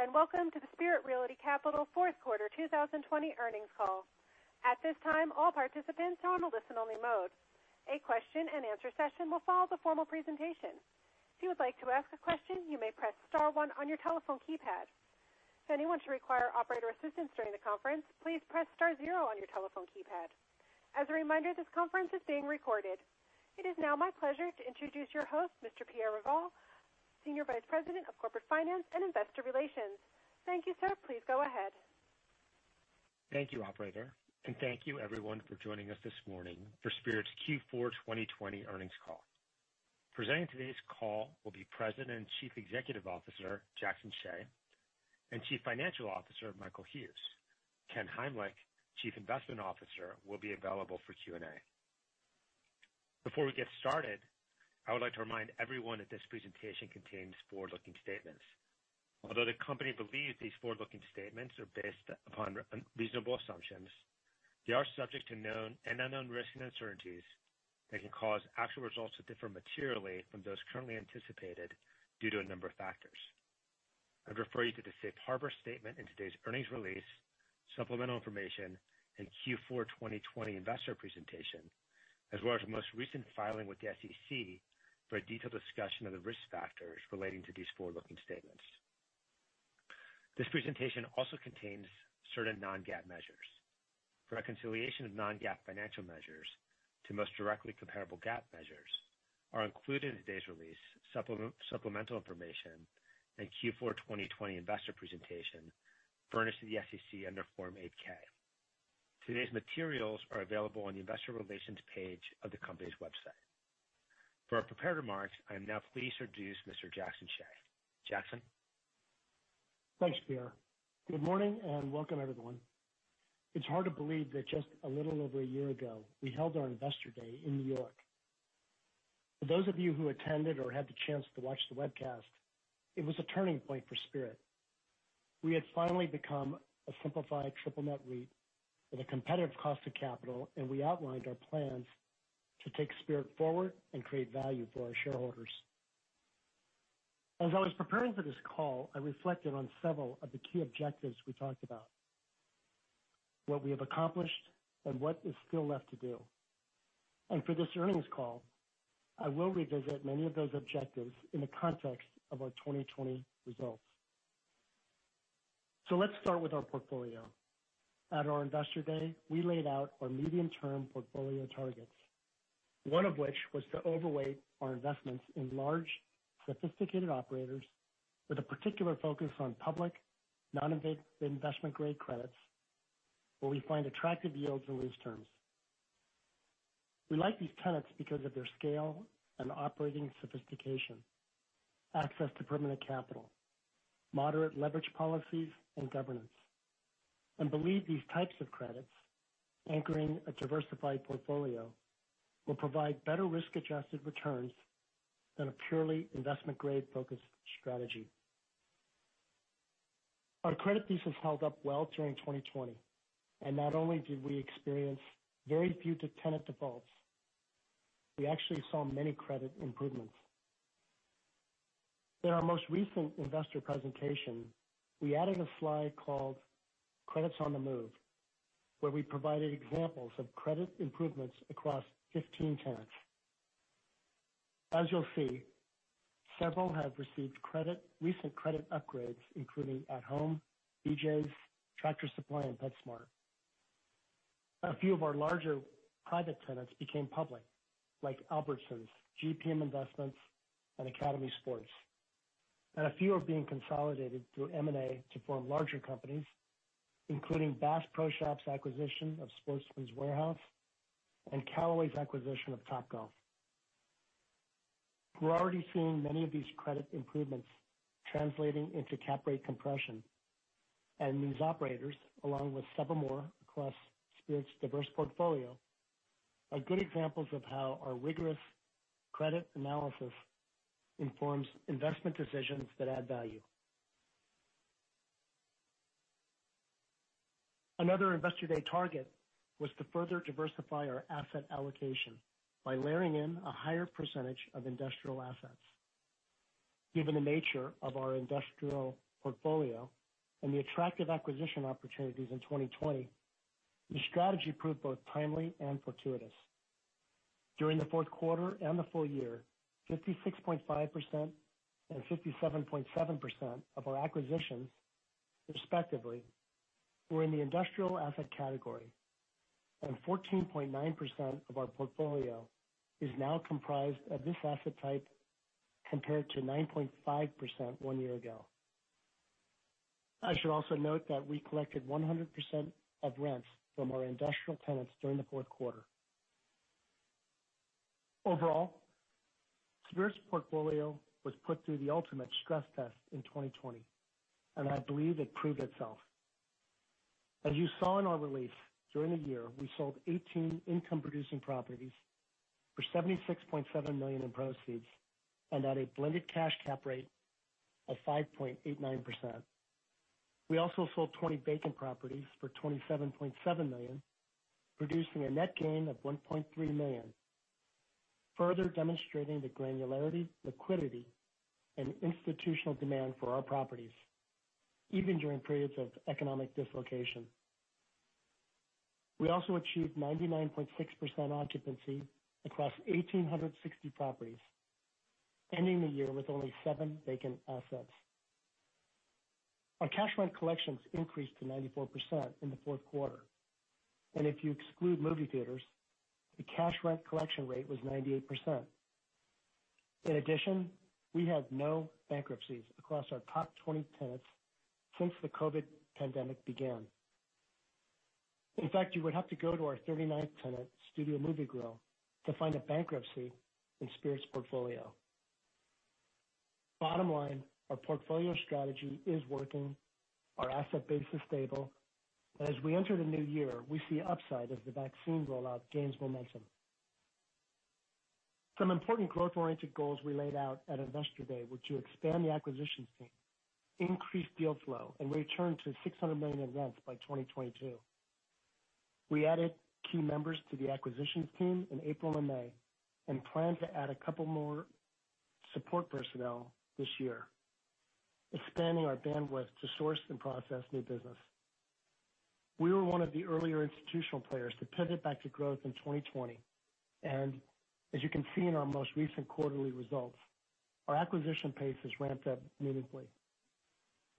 Greetings, and welcome to the Spirit Realty Capital fourth quarter 2020 earnings call. At this time, all participants are on a listen-only mode. A question and answer session will follow the formal presentation. If you would like to ask a question, you may press star one on your telephone keypad. If anyone should require operator assistance during the conference, please press star zero on your telephone keypad. As a reminder, this conference is being recorded. It is now my pleasure to introduce your host, Mr. Pierre Revol, Senior Vice President of Corporate Finance and Investor Relations. Thank you, sir. Please go ahead. Thank you, operator, and thank you everyone for joining us this morning for Spirit's Q4 2020 earnings call. Presenting today's call will be President and Chief Executive Officer, Jackson Hsieh, and Chief Financial Officer, Michael Hughes. Ken Heimlich, Chief Investment Officer, will be available for Q&A. Before we get started, I would like to remind everyone that this presentation contains forward-looking statements. Although the company believes these forward-looking statements are based upon reasonable assumptions, they are subject to known and unknown risks and uncertainties that can cause actual results to differ materially from those currently anticipated due to a number of factors. I would refer you to the safe harbor statement in today's earnings release, supplemental information, and Q4 2020 investor presentation, as well as our most recent filing with the SEC for a detailed discussion of the risk factors relating to these forward-looking statements. This presentation also contains certain non-GAAP measures. For reconciliation of non-GAAP financial measures to most directly comparable GAAP measures are included in today's release, supplemental information, and Q4 2020 investor presentation furnished to the SEC under Form 8-K. Today's materials are available on the investor relations page of the company's website. For our prepared remarks, I now please introduce Mr. Jackson Hsieh. Jackson. Thanks, Pierre. Good morning, welcome everyone. It's hard to believe that just a little over a year ago, we held our investor day in New York. For those of you who attended or had the chance to watch the webcast, it was a turning point for Spirit. We had finally become a simplified triple net REIT with a competitive cost of capital, and we outlined our plans to take Spirit forward and create value for our shareholders. As I was preparing for this call, I reflected on several of the key objectives we talked about. What we have accomplished and what is still left to do. For this earnings call, I will revisit many of those objectives in the context of our 2020 results. Let's start with our portfolio. At our investor day, we laid out our medium-term portfolio targets. One of which was to overweight our investments in large, sophisticated operators with a particular focus on public, non-investment grade credits where we find attractive yields and lease terms. We like these tenants because of their scale and operating sophistication, access to permanent capital, moderate leverage policies and governance. Believe these types of credits anchoring a diversified portfolio will provide better risk-adjusted returns than a purely investment grade-focused strategy. Not only did we experience very few tenant defaults, we actually saw many credit improvements. In our most recent investor presentation, we added a slide called Credits on the Move, where we provided examples of credit improvements across 15 tenants. As you'll see, several have received recent credit upgrades, including At Home, BJ's, Tractor Supply, and PetSmart. A few of our larger private tenants became public, like Albertsons, GPM Investments, and Academy Sports. A few are being consolidated through M&A to form larger companies, including Bass Pro Shops' acquisition of Sportsman's Warehouse and Callaway's acquisition of Topgolf. We're already seeing many of these credit improvements translating into cap rate compression, and these operators, along with several more across Spirit's diverse portfolio, are good examples of how our rigorous credit analysis informs investment decisions that add value. Another investor day target was to further diversify our asset allocation by layering in a higher percentage of industrial assets. Given the nature of our industrial portfolio and the attractive acquisition opportunities in 2020, the strategy proved both timely and fortuitous. During the fourth quarter and the full year, 56.5% and 57.7% of our acquisitions, respectively, were in the industrial asset category. 14.9% of our portfolio is now comprised of this asset type, compared to 9.5% one year ago. I should also note that we collected 100% of rents from our industrial tenants during the fourth quarter. Overall, Spirit's portfolio was put through the ultimate stress test in 2020, and I believe it proved itself. As you saw in our release, during the year, we sold 18 income-producing properties for $76.7 million in proceeds and at a blended cash cap rate of 5.89%. We also sold 20 vacant properties for $27.7 million, producing a net gain of $1.3 million, further demonstrating the granularity, liquidity, and institutional demand for our properties even during periods of economic dislocation. We also achieved 99.6% occupancy across 1,860 properties, ending the year with only seven vacant assets. Our cash rent collections increased to 94% in the fourth quarter, and if you exclude movie theaters, the cash rent collection rate was 98%. In addition, we had no bankruptcies across our top 20 tenants since the COVID pandemic began. In fact, you would have to go to our 39th tenant, Studio Movie Grill, to find a bankruptcy in Spirit's portfolio. Bottom line, our portfolio strategy is working, our asset base is stable, and as we enter the new year, we see upside as the vaccine rollout gains momentum. Some important growth-oriented goals we laid out at Investor Day were to expand the acquisitions team, increase deal flow, and return to $600 million in rents by 2022. We added key members to the acquisitions team in April and May and plan to add a couple more support personnel this year, expanding our bandwidth to source and process new business. We were one of the earlier institutional players to pivot back to growth in 2020, and as you can see in our most recent quarterly results, our acquisition pace has ramped up meaningfully.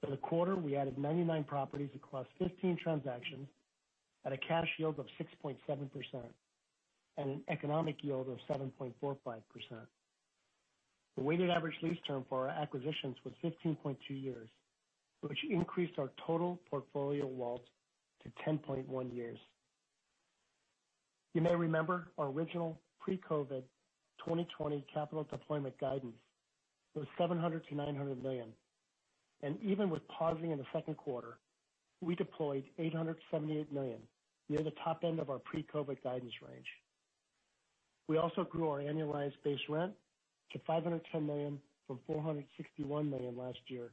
For the quarter, we added 99 properties across 15 transactions at a cash yield of 6.7% and an economic yield of 7.45%. The weighted average lease term for our acquisitions was 15.2 years, which increased our total portfolio WALT to 10.1 years. You may remember our original pre-COVID 2020 capital deployment guidance was $700 million-$900 million. Even with pausing in the second quarter, we deployed $878 million, near the top end of our pre-COVID guidance range. We also grew our annualized base rent to $510 million from $461 million last year,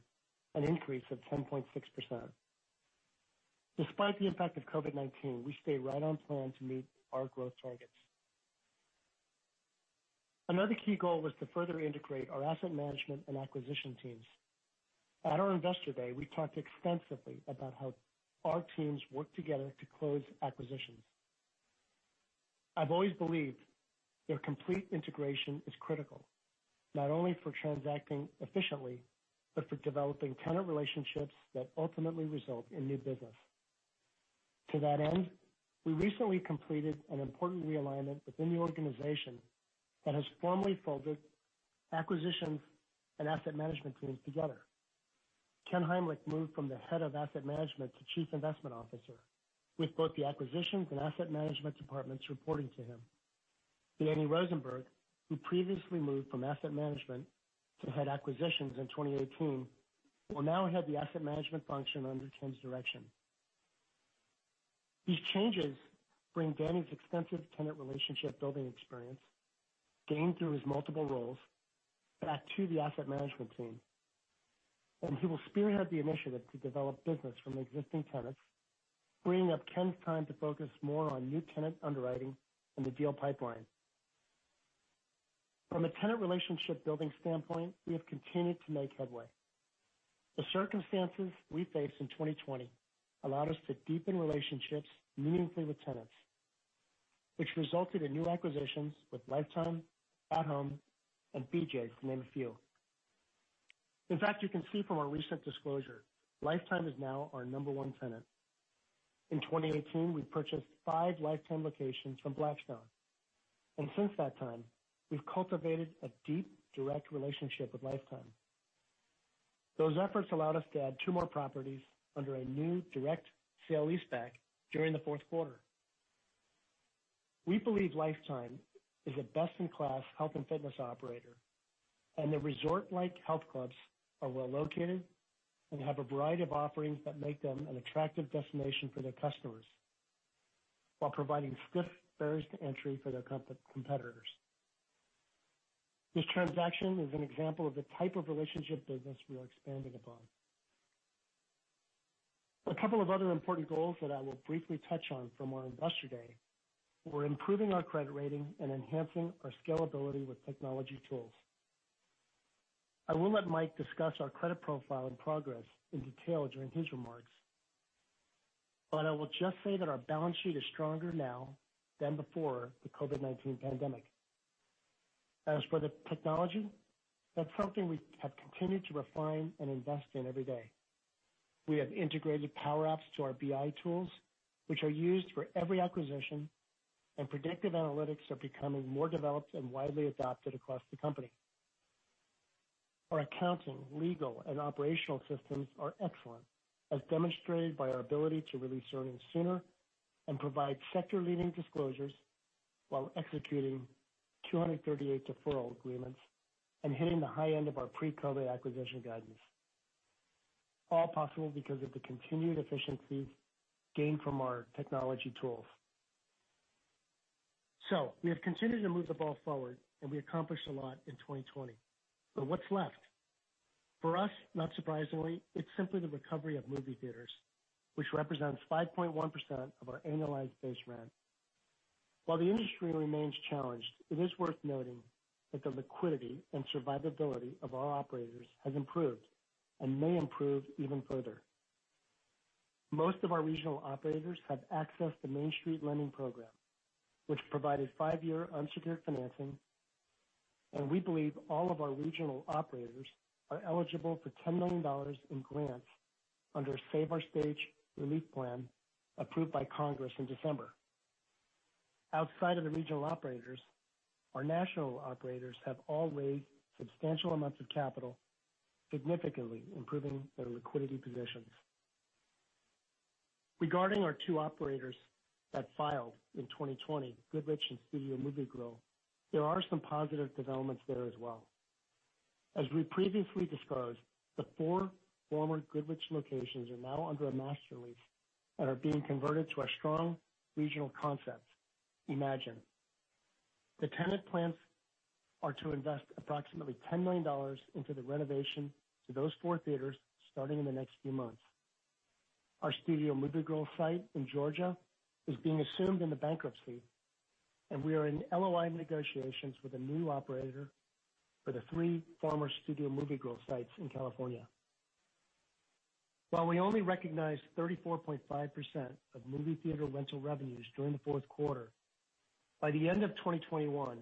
an increase of 10.6%. Despite the impact of COVID-19, we stay right on plan to meet our growth targets. Another key goal was to further integrate our asset management and acquisition teams. At our Investor Day, we talked extensively about how our teams work together to close acquisitions. I've always believed their complete integration is critical, not only for transacting efficiently, but for developing tenant relationships that ultimately result in new business. To that end, we recently completed an important realignment within the organization that has formally folded acquisitions and asset management teams together. Ken Heimlich moved from the head of asset management to Chief Investment Officer, with both the acquisitions and asset management departments reporting to him. Danny Rosenberg, who previously moved from asset management to head acquisitions in 2018, will now head the asset management function under Ken's direction. These changes bring Danny's extensive tenant relationship building experience gained through his multiple roles back to the asset management team. He will spearhead the initiative to develop business from existing tenants, freeing up Ken's time to focus more on new tenant underwriting and the deal pipeline. From a tenant relationship building standpoint, we have continued to make headway. The circumstances we faced in 2020 allowed us to deepen relationships meaningfully with tenants, which resulted in new acquisitions with Life Time, At Home, and BJ's, to name a few. In fact, you can see from our recent disclosure, Life Time is now our number one tenant. In 2018, we purchased five Life Time locations from Blackstone. Since that time, we've cultivated a deep, direct relationship with Life Time. Those efforts allowed us to add two more properties under a new direct sale leaseback during the fourth quarter. We believe Life Time is a best-in-class health and fitness operator, and their resort-like health clubs are well located and have a variety of offerings that make them an attractive destination for their customers while providing stiff barriers to entry for their competitors. This transaction is an example of the type of relationship business we are expanding upon. A couple of other important goals that I will briefly touch on from our Investor Day were improving our credit rating and enhancing our scalability with technology tools. I will let Mike discuss our credit profile and progress in detail during his remarks, but I will just say that our balance sheet is stronger now than before the COVID-19 pandemic. As for the technology, that's something we have continued to refine and invest in every day. We have integrated Power Apps to our BI tools, which are used for every acquisition, predictive analytics are becoming more developed and widely adopted across the company. Our accounting, legal, and operational systems are excellent, as demonstrated by our ability to release earnings sooner and provide sector-leading disclosures while executing 238 deferral agreements and hitting the high end of our pre-COVID acquisition guidance. All possible because of the continued efficiencies gained from our technology tools. We have continued to move the ball forward, and we accomplished a lot in 2020. What's left? For us, not surprisingly, it's simply the recovery of movie theaters, which represents 5.1% of our annualized base rent. While the industry remains challenged, it is worth noting that the liquidity and survivability of our operators has improved and may improve even further. Most of our regional operators have accessed the Main Street Lending Program, which provided five-year unsecured financing. We believe all of our regional operators are eligible for $10 million in grants under Save Our Stage relief plan, approved by Congress in December. Outside of the regional operators, our national operators have all raised substantial amounts of capital, significantly improving their liquidity positions. Regarding our two operators that filed in 2020, Goodrich and Studio Movie Grill, there are some positive developments there as well. As we previously disclosed, the four former Goodrich locations are now under a master lease and are being converted to a strong regional concept, Imagine. The tenant plans are to invest approximately $10 million into the renovation to those four theaters starting in the next few months. Our Studio Movie Grill site in Georgia is being assumed in the bankruptcy, and we are in LOI negotiations with a new operator for the three former Studio Movie Grill sites in California. While we only recognized 34.5% of movie theater rental revenues during the fourth quarter, by the end of 2021,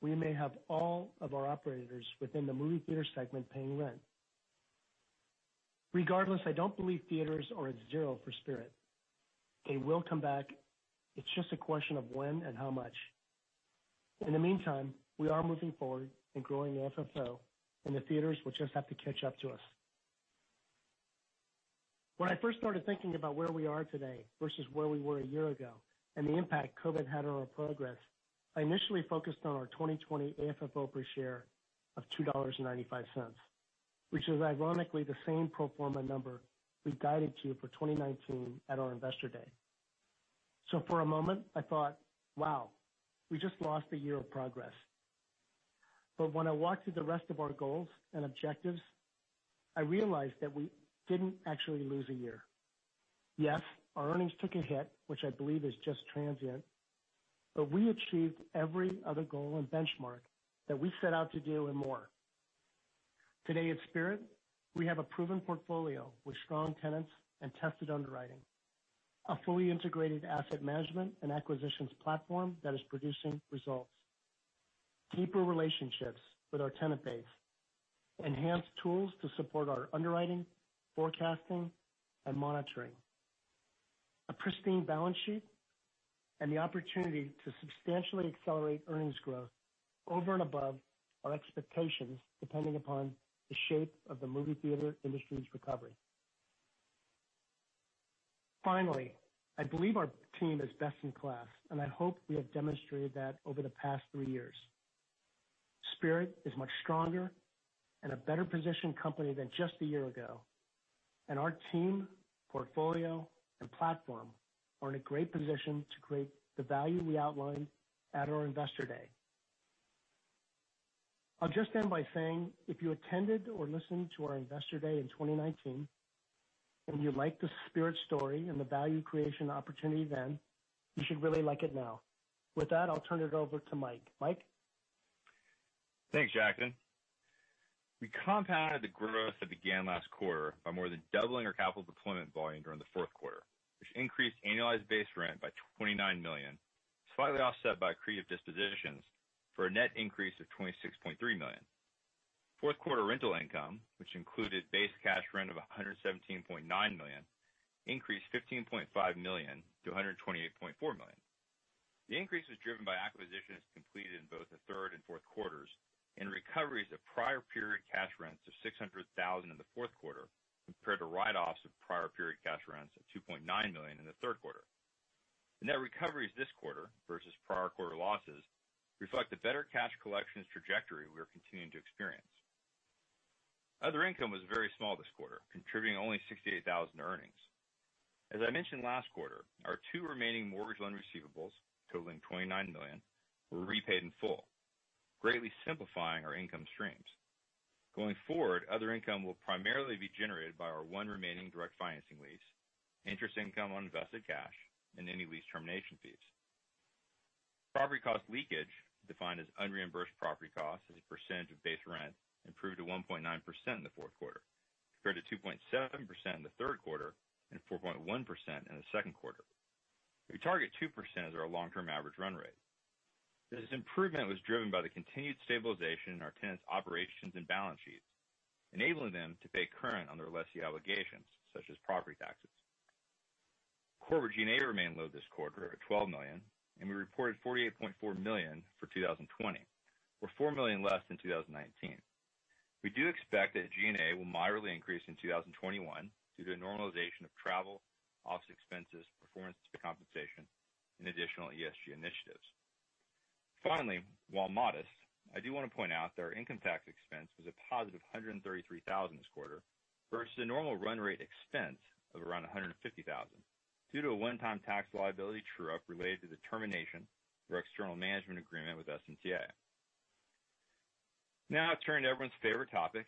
we may have all of our operators within the movie theater segment paying rent. Regardless, I don't believe theaters are at zero for Spirit. They will come back. It's just a question of when and how much. In the meantime, we are moving forward and growing the AFFO, and the theaters will just have to catch up to us. When I first started thinking about where we are today versus where we were a year ago and the impact COVID had on our progress, I initially focused on our 2020 AFFO per share of $2.95, which is ironically the same pro forma number we guided to you for 2019 at our Investor Day. For a moment, I thought, "Wow, we just lost a year of progress." When I walked through the rest of our goals and objectives, I realized that we didn't actually lose a year. Yes, our earnings took a hit, which I believe is just transient, but we achieved every other goal and benchmark that we set out to do and more. Today at Spirit, we have a proven portfolio with strong tenants and tested underwriting, a fully integrated asset management and acquisitions platform that is producing results, deeper relationships with our tenant base, enhanced tools to support our underwriting, forecasting, and monitoring, a pristine balance sheet, and the opportunity to substantially accelerate earnings growth over and above our expectations, depending upon the shape of the movie theater industry's recovery. Finally, I believe our team is best in class, and I hope we have demonstrated that over the past three years. Spirit is much stronger and a better-positioned company than just a year ago, and our team, portfolio, and platform are in a great position to create the value we outlined at our Investor Day. I'll just end by saying, if you attended or listened to our Investor Day in 2019 and you liked the Spirit story and the value creation opportunity then, you should really like it now. With that, I'll turn it over to Mike. Mike? Thanks, Jackson. We compounded the growth that began last quarter by more than doubling our capital deployment volume during the fourth quarter, which increased Annualized Base Rent by $29 million, slightly offset by accretive dispositions for a net increase of $26.3 million. Fourth quarter rental income, which included base cash rent of $117.9 million, increased $15.5 million-$128.4 million. The increase was driven by acquisitions completed in both the third and fourth quarters and recoveries of prior period cash rents of $600,000 in the fourth quarter compared to write-offs of prior period cash rents of $2.9 million in the third quarter. The net recoveries this quarter versus prior quarter losses reflect the better cash collections trajectory we are continuing to experience. Other income was very small this quarter, contributing only $68,000 in earnings. As I mentioned last quarter, our two remaining mortgage loan receivables, totaling $29 million, were repaid in full, greatly simplifying our income streams. Going forward, other income will primarily be generated by our one remaining direct financing lease, interest income on invested cash, and any lease termination fees. Property cost leakage, defined as unreimbursed property cost as a percent of base rent, improved to 1.9% in the fourth quarter, compared to 2.7% in the third quarter and 4.1% in the second quarter. We target 2% as our long-term average run rate. This improvement was driven by the continued stabilization in our tenants' operations and balance sheets, enabling them to pay current on their lessee obligations, such as property taxes. Corporate G&A remained low this quarter at $12 million, and we reported $48.4 million for 2020, or $4 million less than 2019. We do expect that G&A will mildly increase in 2021 due to the normalization of travel, office expenses, performance-based compensation, and additional ESG initiatives. Finally, while modest, I do want to point out that our income tax expense was a positive $133,000 this quarter versus the normal run rate expense of around $150,000 due to a one-time tax liability true-up related to the termination of our external management agreement with SMTA. I turn to everyone's favorite topic,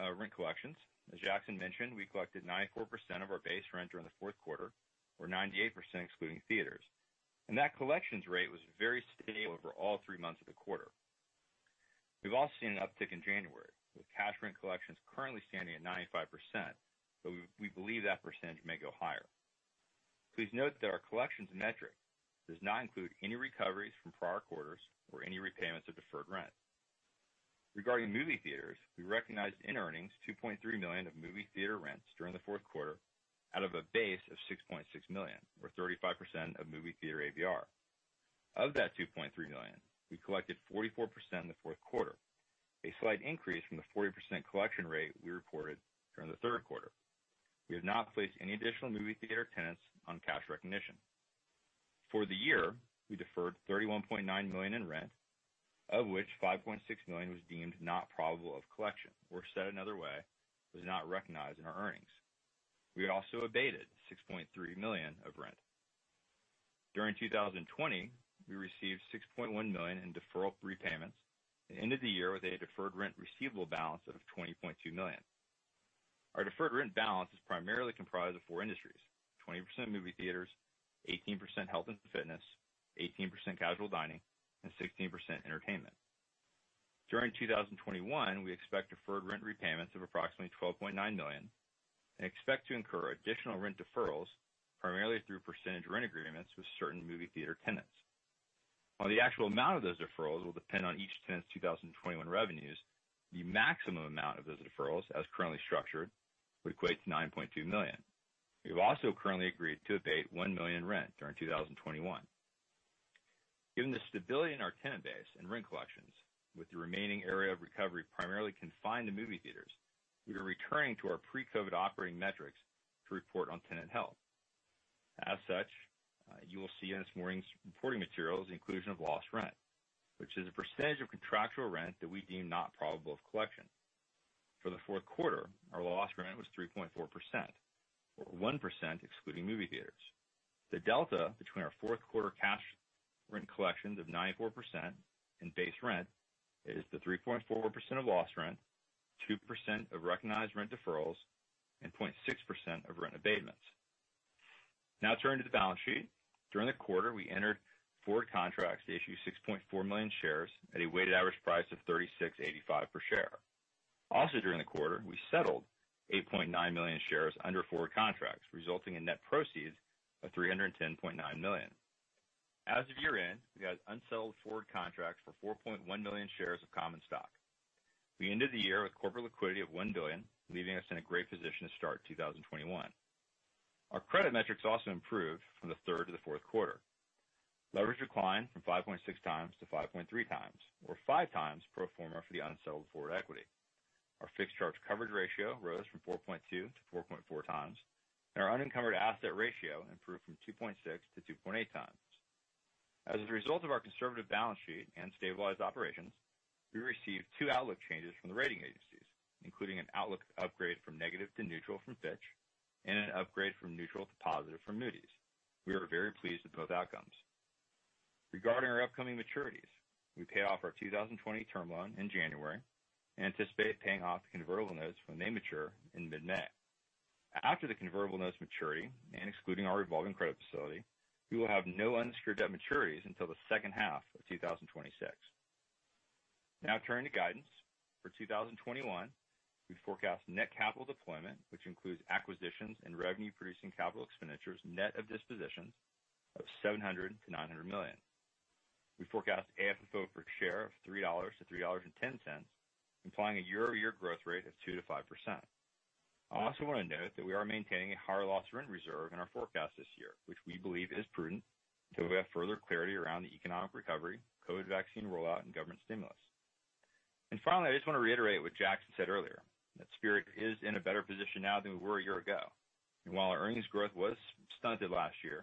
rent collections. As Jackson mentioned, we collected 94% of our base rent during the fourth quarter, or 98% excluding theaters. That collections rate was very stable over all three months of the quarter. We've also seen an uptick in January, with cash rent collections currently standing at 95%. We believe that percentage may go higher. Please note that our collections metric does not include any recoveries from prior quarters or any repayments of deferred rent. Regarding movie theaters, we recognized in earnings $2.3 million of movie theater rents during the fourth quarter out of a base of $6.6 million, or 35% of movie theater ABR. Of that $2.3 million, we collected 44% in the fourth quarter, a slight increase from the 40% collection rate we reported during the third quarter. We have not placed any additional movie theater tenants on cash recognition. For the year, we deferred $31.9 million in rent, of which $5.6 million was deemed not probable of collection, or said another way, was not recognized in our earnings. We had also abated $6.3 million of rent. During 2020, we received $6.1 million in deferral repayments and ended the year with a deferred rent receivable balance of $20.2 million. Our deferred rent balance is primarily comprised of four industries: 20% movie theaters, 18% health and fitness, 18% casual dining, and 16% entertainment. During 2021, we expect deferred rent repayments of approximately $12.9 million and expect to incur additional rent deferrals primarily through percentage rent agreements with certain movie theater tenants. While the actual amount of those deferrals will depend on each tenant's 2021 revenues, the maximum amount of those deferrals as currently structured would equate to $9.2 million. We've also currently agreed to abate $1 million in rent during 2021. Given the stability in our tenant base and rent collections, with the remaining area of recovery primarily confined to movie theaters, we are returning to our pre-COVID operating metrics to report on tenant health. As such, you will see in this morning's reporting materials the inclusion of lost rent, which is a percentage of contractual rent that we deem not probable of collection. For the fourth quarter, our lost rent was 3.4%, or 1% excluding movie theaters. The delta between our fourth quarter cash rent collections of 94% and base rent is the 3.4% of lost rent, 2% of recognized rent deferrals, and 0.6% of rent abatements. Now turning to the balance sheet. During the quarter, we entered forward contracts to issue 6.4 million shares at a weighted average price of $36.85 per share. Also during the quarter, we settled 8.9 million shares under forward contracts, resulting in net proceeds of $310.9 million. As of year-end, we had unsettled forward contracts for 4.1 million shares of common stock. We ended the year with corporate liquidity of $1 billion, leaving us in a great position to start 2021. Our credit metrics also improved from the third to the fourth quarter. Leverage declined from 5.6 times-5.3 times, or five times pro forma for the unsettled forward equity. Our fixed charge coverage ratio rose from 4.2-4.4 times, and our unencumbered asset ratio improved from 2.6-2.8 times. As a result of our conservative balance sheet and stabilized operations, we received two outlook changes from the rating agencies, including an outlook upgrade from negative to neutral from Fitch and an upgrade from neutral to positive from Moody's. We are very pleased with both outcomes. Regarding our upcoming maturities, we paid off our 2020 term loan in January and anticipate paying off the convertible notes when they mature in mid-May. After the convertible notes maturity and excluding our revolving credit facility, we will have no unsecured debt maturities until the second half of 2026. Now turning to guidance. For 2021, we forecast net capital deployment, which includes acquisitions and revenue-producing capital expenditures net of dispositions, of $700 million-$900 million. We forecast AFFO per share of $3-$3.10, implying a year-over-year growth rate of 2%-5%. I also want to note that we are maintaining a higher loss rent reserve in our forecast this year, which we believe is prudent until we have further clarity around the economic recovery, COVID-19 vaccine rollout, and government stimulus. Finally, I just want to reiterate what Jackson said earlier, that Spirit is in a better position now than we were a year ago. While our earnings growth was stunted last year,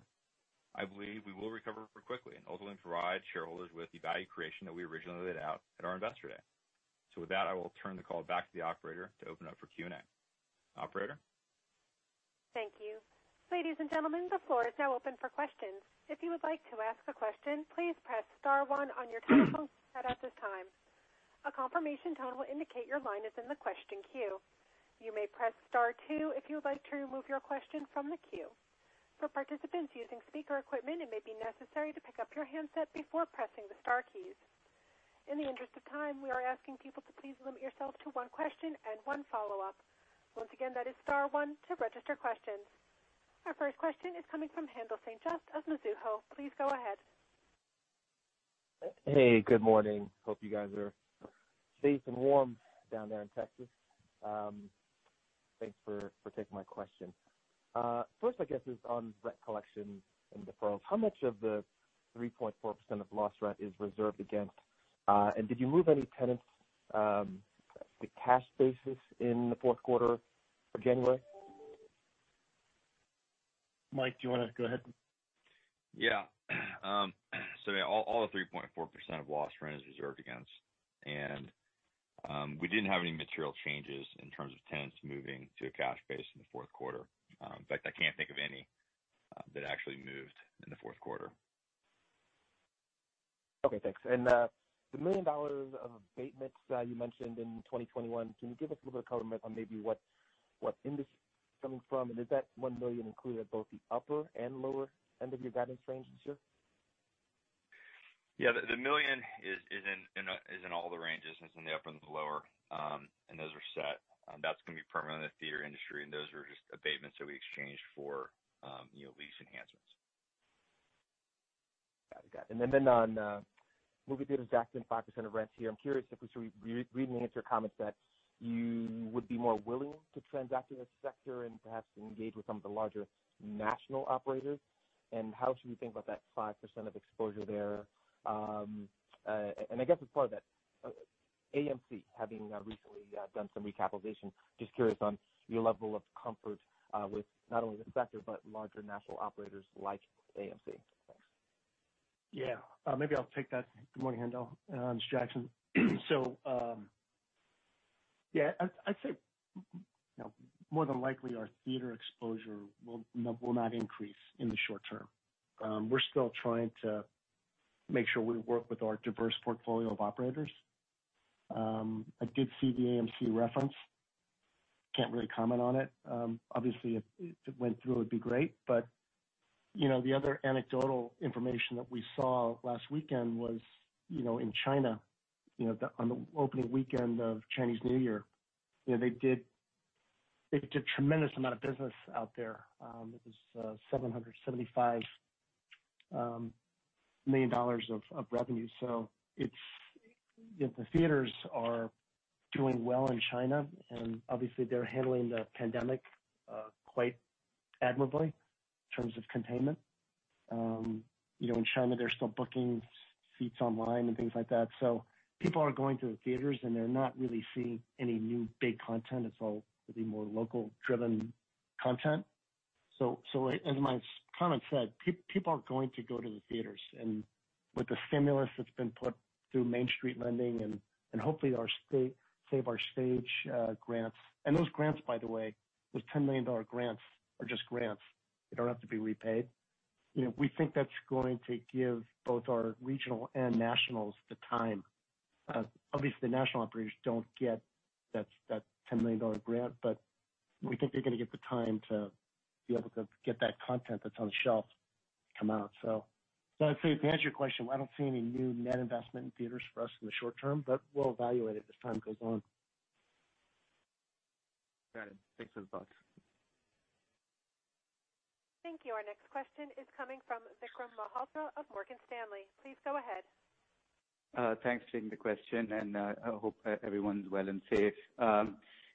I believe we will recover quickly and ultimately provide shareholders with the value creation that we originally laid out at our investor day. With that, I will turn the call back to the operator to open up for Q&A. Operator? Thank you. Ladies and gentlemen, the floor is now open for questions. If you would like to ask a question, please press star one on your telephone keypad at this time. A confirmation tone will indicate your line is in the question queue. You may press star two if you would like to remove your question from the queue. For participants using speaker equipment, it may be necessary to pick up your handset before pressing the star keys. In the interest of time, we are asking people to please limit yourself to one question and one follow-up. Once again, that is star one to register questions. Our first question is coming from Haendel St. Juste of Mizuho. Please go ahead. Hey, good morning. Hope you guys are safe and warm down there in Texas. Thanks for taking my question. First, I guess is on rent collection and deferrals. How much of the 3.4% of lost rent is reserved against, and did you move any tenants to cash basis in the fourth quarter or January? Mike, do you want to go ahead? Yeah. Yeah, all the 3.4% of loss rent is reserved against. We didn't have any material changes in terms of tenants moving to a cash base in the fourth quarter. In fact, I can't think of any that actually moved in the fourth quarter. Okay, thanks. The $1 million of abatements that you mentioned in 2021, can you give us a little bit of color on maybe what industry it's coming from? Is that $1 million included at both the upper and lower end of your guidance range this year? Yeah. The $1 million is in all the ranges. It's in the upper and the lower. Those are set. That's going to be primarily in the theater industry. Those are just abatements that we exchanged for lease enhancements. Got it. On movie theaters, Jackson, 5% of rents here. I'm curious if we should read in the answer comments that you would be more willing to transact in this sector and perhaps engage with some of the larger national operators. How should we think about that 5% of exposure there? I guess as part of that, AMC having recently done some recapitalization, just curious on your level of comfort with not only the sector, but larger national operators like AMC. Thanks. Maybe I'll take that. Good morning, Haendel. This is Jackson. I'd say more than likely our theater exposure will not increase in the short term. We're still trying to make sure we work with our diverse portfolio of operators. I did see the AMC reference. Can't really comment on it. Obviously, if it went through, it'd be great. The other anecdotal information that we saw last weekend was in China, on the opening weekend of Chinese New Year. They did a tremendous amount of business out there. It was $775 million of revenue. The theaters are doing well in China, and obviously they're handling the pandemic quite admirably in terms of containment. In China, they're still booking seats online and things like that. People are going to the theaters, and they're not really seeing any new big content. It's all maybe more local-driven content. As my comment said, people are going to go to the theaters. With the stimulus that's been put through Main Street Lending and hopefully our Save Our Stage grants. Those grants, by the way, those $10 million grants are just grants. They don't have to be repaid. We think that's going to give both our regional and nationals the time. Obviously, the national operators don't get that $10 million grant, but we think they're going to get the time to be able to get that content that's on the shelf come out. I'd say to answer your question, I don't see any new net investment in theaters for us in the short term, but we'll evaluate it as time goes on. Got it. Thanks for the thoughts. Thank you. Our next question is coming from Vikram Malhotra of Morgan Stanley. Please go ahead. Thanks for taking the question. I hope everyone's well and safe.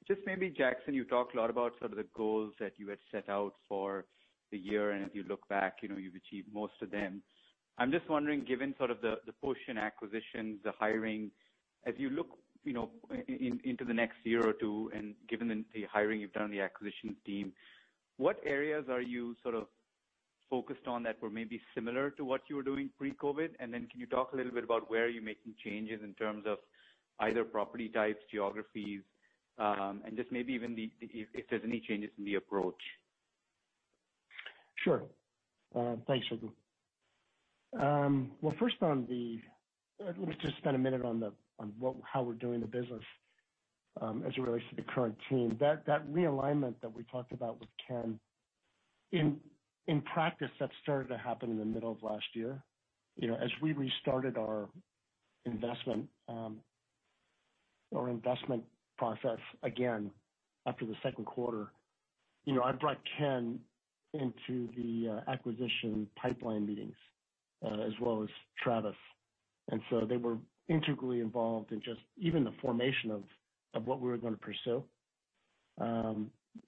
Just maybe Jackson, you talked a lot about sort of the goals that you had set out for the year. As you look back, you've achieved most of them. I'm just wondering, given sort of the push in acquisitions, the hiring, as you look into the next year or two, and given the hiring you've done on the acquisitions team, what areas are you sort of focused on that were maybe similar to what you were doing pre-COVID? Can you talk a little bit about where are you making changes in terms of either property types, geographies, and just maybe even if there's any changes in the approach? Sure. Thanks, Vikram. Well, first let me just spend a minute on how we're doing the business as it relates to the current team. That realignment that we talked about with Ken, in practice, that started to happen in the middle of last year. As we restarted our investment process again after the second quarter, I brought Ken into the acquisition pipeline meetings as well as Travis. They were integrally involved in just even the formation of what we were going to pursue.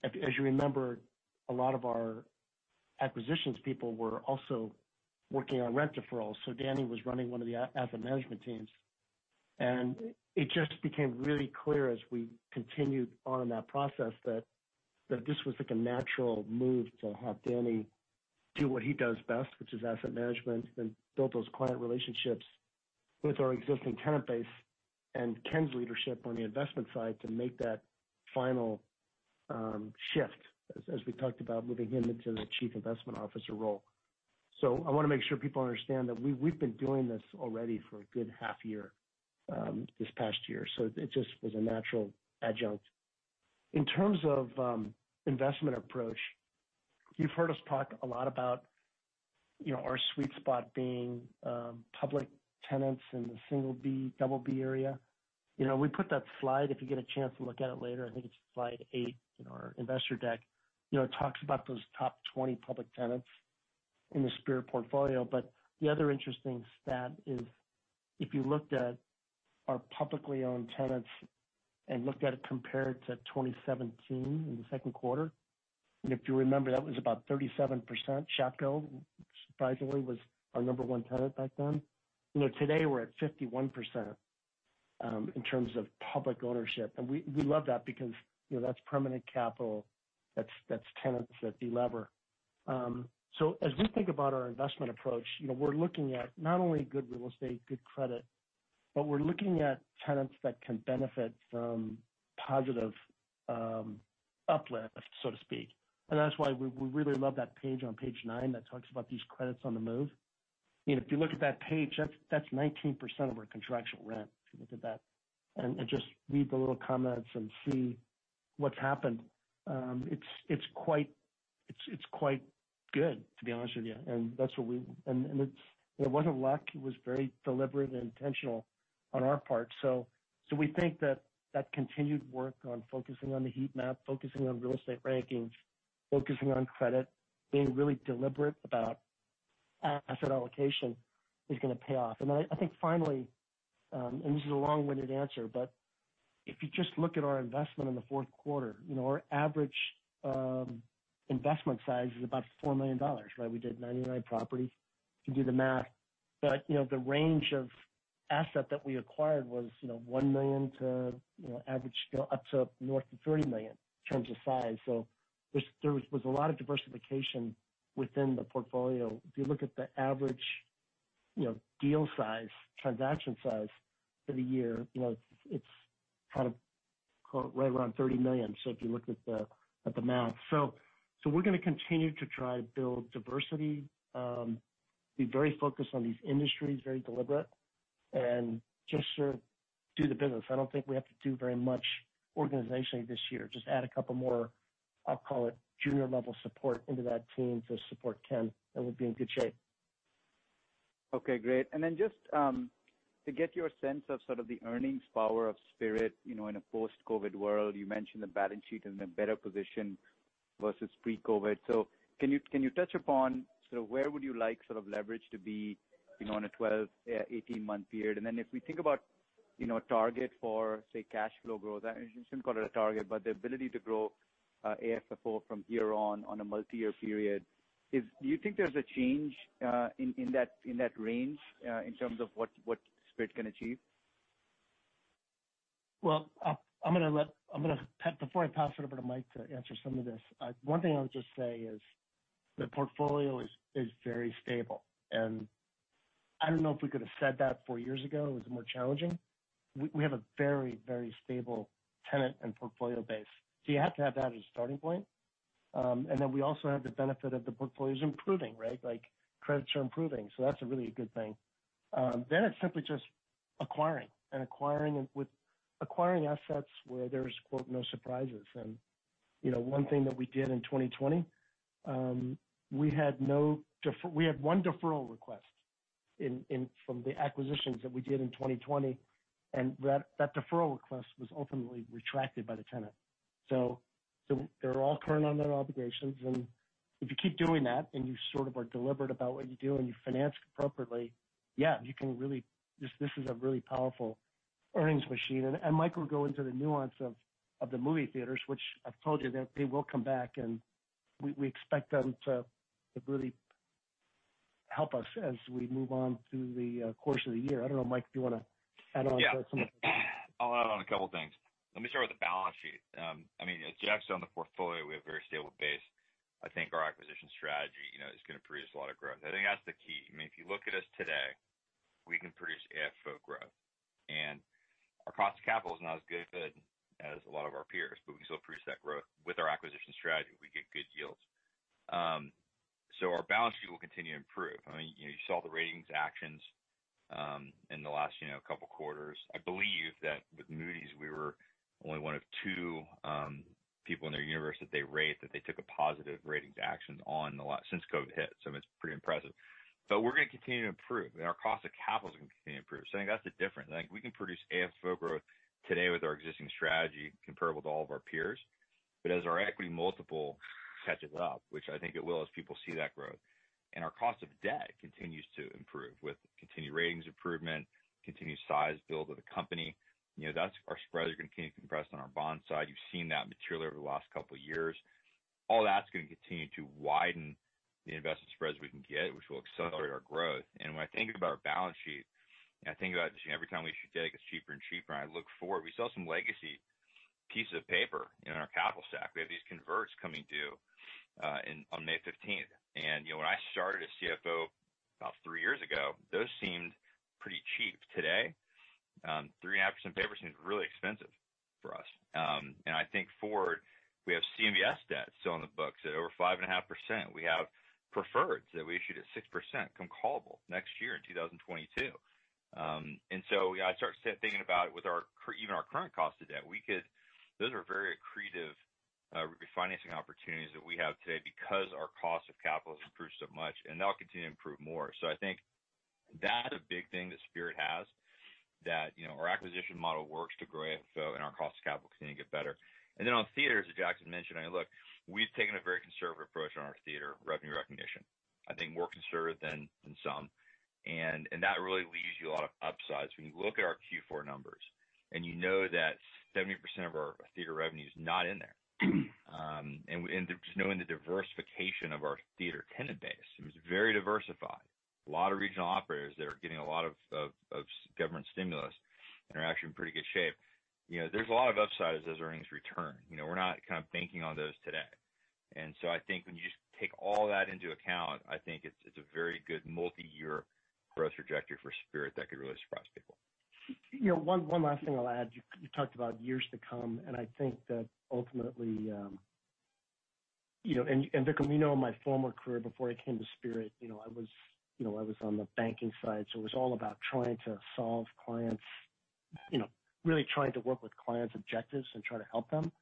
As you remember, a lot of our acquisitions people were also working on rent deferrals. Danny was running one of the asset management teams. It just became really clear as we continued on in that process that this was like a natural move to have Daniel Rosenberg do what he does best, which is asset management, and build those client relationships with our existing tenant base and Ken Heimlich's leadership on the investment side to make that final shift as we talked about moving him into the Chief Investment Officer role. I want to make sure people understand that we've been doing this already for a good half year this past year. It just was a natural adjunct. In terms of investment approach, you've heard us talk a lot about our sweet spot being public tenants in the single B, double B area. We put that slide. If you get a chance to look at it later, I think it's slide eight in our investor deck. It talks about those top 20 public tenants in the Spirit portfolio. The other interesting stat is if you looked at our publicly owned tenants and looked at it compared to 2017 in the second quarter, if you remember, that was about 37%. Shopko, surprisingly, was our number one tenant back then. Today we're at 51%. In terms of public ownership. We love that because that's permanent capital, that's tenants that de-lever. As we think about our investment approach, we're looking at not only good real estate, good credit, but we're looking at tenants that can benefit from positive uplift, so to speak. That's why we really love that page on page nine that talks about these credits on the move. If you look at that page, that's 19% of our contractual rent, if you look at that, and just read the little comments and see what's happened. It's quite good, to be honest with you. It wasn't luck, it was very deliberate and intentional on our part. We think that continued work on focusing on the heat map, focusing on real estate rankings, focusing on credit, being really deliberate about asset allocation is going to pay off. I think finally, this is a long-winded answer, if you just look at our investment in the fourth quarter, our average investment size is about $4 million. We did 99 properties. You can do the math. The range of asset that we acquired was, $1 million to average up to north of $30 million in terms of size. There was a lot of diversification within the portfolio. If you look at the average deal size, transaction size for the year, it's right around $30 million, if you look at the math. We're going to continue to try to build diversity, be very focused on these industries, very deliberate, and just do the business. I don't think we have to do very much organizationally this year, just add a couple more, I'll call it junior level support into that team to support Ken, and we'll be in good shape. Okay, great. Just to get your sense of sort of the earnings power of Spirit in a post-COVID world. You mentioned the balance sheet is in a better position versus pre-COVID. Can you touch upon sort of where would you like sort of leverage to be in a 12-18 month period? If we think about a target for, say, cash flow growth, I shouldn't call it a target, but the ability to grow AFFO from here on a multi-year period is, do you think there's a change in that range in terms of what Spirit can achieve? Well, before I pass it over to Mike to answer some of this, one thing I'll just say is the portfolio is very stable, and I don't know if we could've said that four years ago. It was more challenging. We have a very stable tenant and portfolio base. You have to have that as a starting point. We also have the benefit of the portfolio's improving, right? Like credits are improving, that's a really good thing. It's simply just acquiring assets where there's "no surprises." One thing that we did in 2020, we had one deferral request from the acquisitions that we did in 2020, that deferral request was ultimately retracted by the tenant. They're all current on their obligations, and if you keep doing that, and you sort of are deliberate about what you do and you finance appropriately, yeah, this is a really powerful earnings machine. Mike will go into the nuance of the movie theaters, which I've told you that they will come back and we expect them to really help us as we move on through the course of the year. I don't know, Mike, if you want to add on to that. Yeah. I'll add on a couple of things. Let me start with the balance sheet. As Jack said, on the portfolio, we have a very stable base. I think our acquisition strategy is going to produce a lot of growth. I think that's the key. If you look at us today, we can produce AFFO growth, and our cost of capital is not as good as a lot of our peers, but we can still produce that growth. With our acquisition strategy, we get good yields. Our balance sheet will continue to improve. You saw the ratings actions in the last couple of quarters. I believe that with Moody's, we were only one of two people in their universe that they rate, that they took a positive ratings action on since COVID hit. It's pretty impressive. We're going to continue to improve, and our cost of capital is going to continue to improve. I think that's the difference. I think we can produce AFFO growth today with our existing strategy comparable to all of our peers. As our equity multiple catches up, which I think it will as people see that growth, and our cost of debt continues to improve with continued ratings improvement, continued size build of the company. Our spreads are going to continue to compress on our bond side. You've seen that materially over the last couple of years. All that's going to continue to widen the investment spreads we can get, which will accelerate our growth. When I think about our balance sheet, and I think about every time we issue debt, it gets cheaper and cheaper, and I look forward. We saw some legacy pieces of paper in our capital stack. We have these converts coming due on May 15th. When I started as CFO about three years ago, those seemed pretty cheap. Today, 3.5% paper seems really expensive for us. I think forward, we have CMBS debt still on the books at over 5.5%. We have preferreds that we issued at 6%, callable next year in 2022. I start thinking about it with even our current cost of debt. Those are very accretive refinancing opportunities that we have today because our cost of capital has improved so much, and that'll continue to improve more. I think that's a big thing that Spirit has, that our acquisition model works to grow AFFO, and our cost of capital continue to get better. On theaters, as Jackson mentioned, look, we've taken a very conservative approach on our theater revenue recognition, I think more conservative than some. That really leaves you a lot of upsides. When you look at our Q4 numbers, you know that 70% of our theater revenue is not in there. Just knowing the diversification of our theater tenant base, it was very diversified. A lot of regional operators that are getting a lot of government stimulus and are actually in pretty good shape. There's a lot of upside as those earnings return. We're not kind of banking on those today. I think when you just take all that into account, I think it's a very good multi-year growth trajectory for Spirit that could really surprise people. One last thing I'll add. You talked about years to come, I think that ultimately. Vikram, you know my former career before I came to Spirit. I was on the banking side, so it was all about trying to solve clients', really trying to work with clients' objectives and try to help them.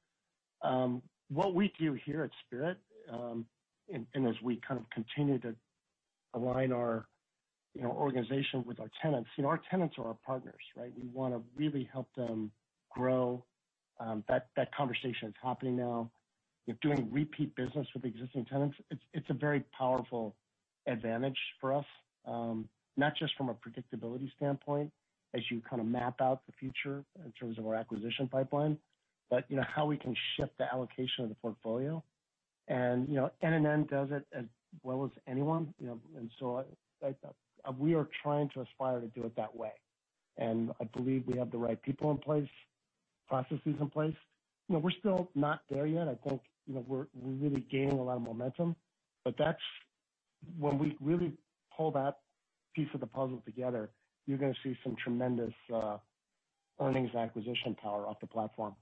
What we do here at Spirit, as we kind of continue to align our organization with our tenants. Our tenants are our partners, right? We want to really help them grow. That conversation is happening now. We're doing repeat business with existing tenants. It's a very powerful advantage for us, not just from a predictability standpoint as you kind of map out the future in terms of our acquisition pipeline, but how we can shift the allocation of the portfolio. NNN does it as well as anyone. We are trying to aspire to do it that way. I believe we have the right people in place, processes in place. We're still not there yet. I think we're really gaining a lot of momentum. When we really pull that piece of the puzzle together, you're going to see some tremendous earnings acquisition power off the platform.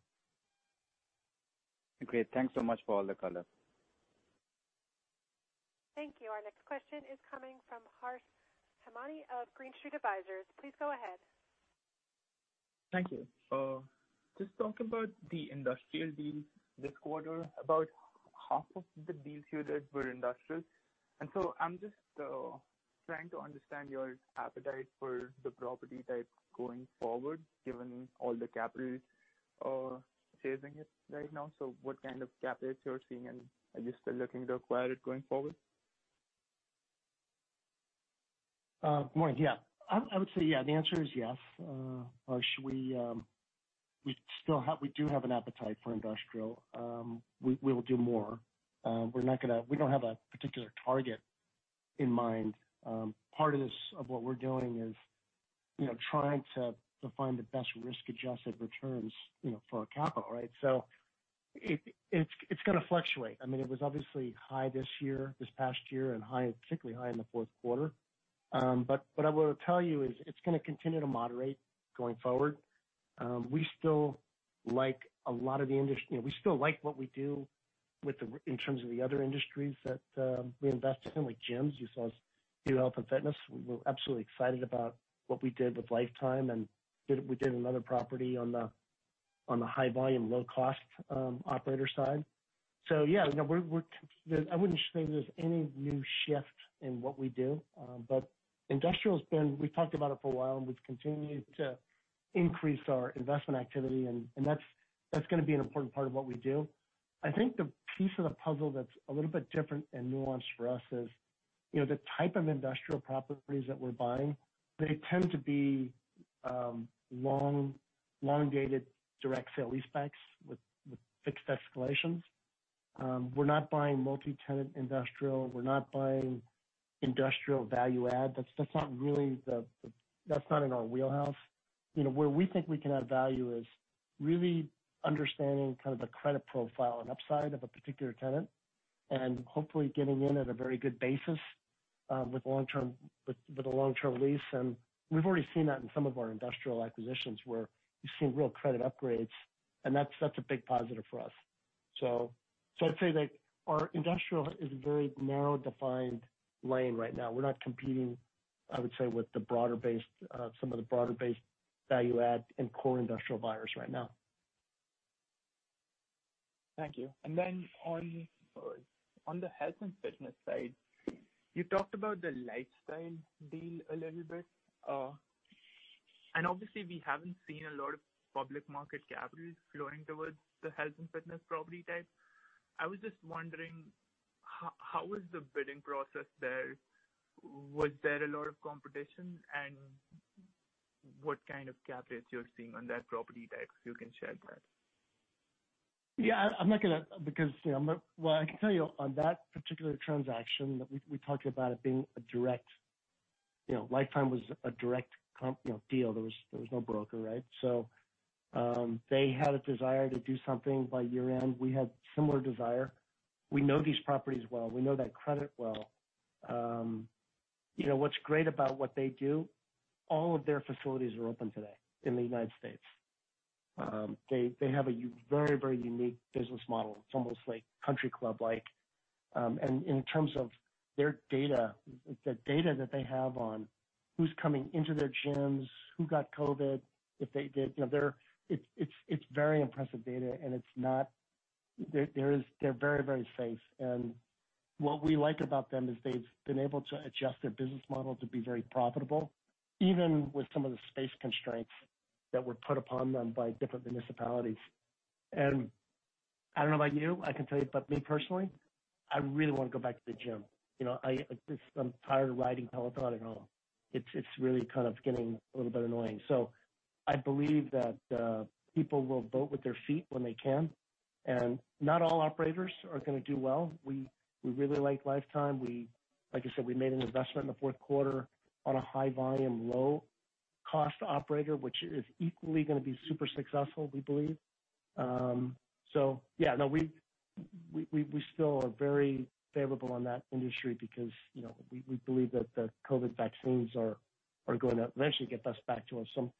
Great. Thanks so much for all the color. Thank you. Our next question is coming from Harsh Hemnani of Green Street Advisors. Please go ahead. Thank you. Just talk about the industrial deals this quarter. About half of the deals you did were industrial. I'm just trying to understand your appetite for the property type going forward, given all the capital chasing it right now. What kind of cap rates you're seeing, and are you still looking to acquire it going forward? Morning. Yeah. I would say yeah. The answer is yes. Harsh. We do have an appetite for industrial. We will do more. We don't have a particular target in mind. Part of what we're doing is trying to find the best risk-adjusted returns for our capital, right? It's going to fluctuate. It was obviously high this past year and particularly high in the fourth quarter. What I will tell you is it's going to continue to moderate going forward. We still like what we do in terms of the other industries that we invest in, like gyms. You saw us do health and fitness. We're absolutely excited about what we did with Life Time, and we did another property on the high volume, low-cost operator side. Yeah, I wouldn't say there's any new shift in what we do. Industrial, we've talked about it for a while, and we've continued to increase our investment activity, and that's going to be an important part of what we do. I think the piece of the puzzle that's a little bit different and nuanced for us is the type of industrial properties that we're buying. They tend to be long-dated direct sale leasebacks with fixed escalations. We're not buying multi-tenant industrial. We're not buying industrial value add. That's not in our wheelhouse. Where we think we can add value is really understanding kind of the credit profile and upside of a particular tenant and hopefully getting in at a very good basis with a long-term lease. We've already seen that in some of our industrial acquisitions where you've seen real credit upgrades, and that's a big positive for us. I'd say that our industrial is a very narrow defined lane right now. We're not competing, I would say, with some of the broader based value add and core industrial buyers right now. Thank you. Then on the health and fitness side, you talked about the Life Time deal a little bit. Obviously, we haven't seen a lot of public market capital flowing towards the health and fitness property type. I was just wondering, how was the bidding process there? Was there a lot of competition? What kind of cap rates you're seeing on that property type? If you can share that. Yeah. Well, I can tell you on that particular transaction, we talked about it being a direct. Life Time was a direct deal. There was no broker, right? They had a desire to do something by year-end. We had similar desire. We know these properties well. We know that credit well. What's great about what they do, all of their facilities are open today in the United States. They have a very unique business model. It's almost country club-like. In terms of their data, the data that they have on who's coming into their gyms, who got COVID, if they did. It's very impressive data, and they're very safe. What we like about them is they've been able to adjust their business model to be very profitable, even with some of the space constraints that were put upon them by different municipalities. I don't know about you, I can tell you about me personally, I really want to go back to the gym. I'm tired of riding Peloton at home. It's really kind of getting a little bit annoying. I believe that people will vote with their feet when they can, and not all operators are going to do well. We really like Life Time. Like I said, we made an investment in the fourth quarter on a high volume, low cost operator, which is equally going to be super successful, we believe. Yeah, no, we still are very favorable on that industry because we believe that the COVID vaccines are going to eventually get us back to some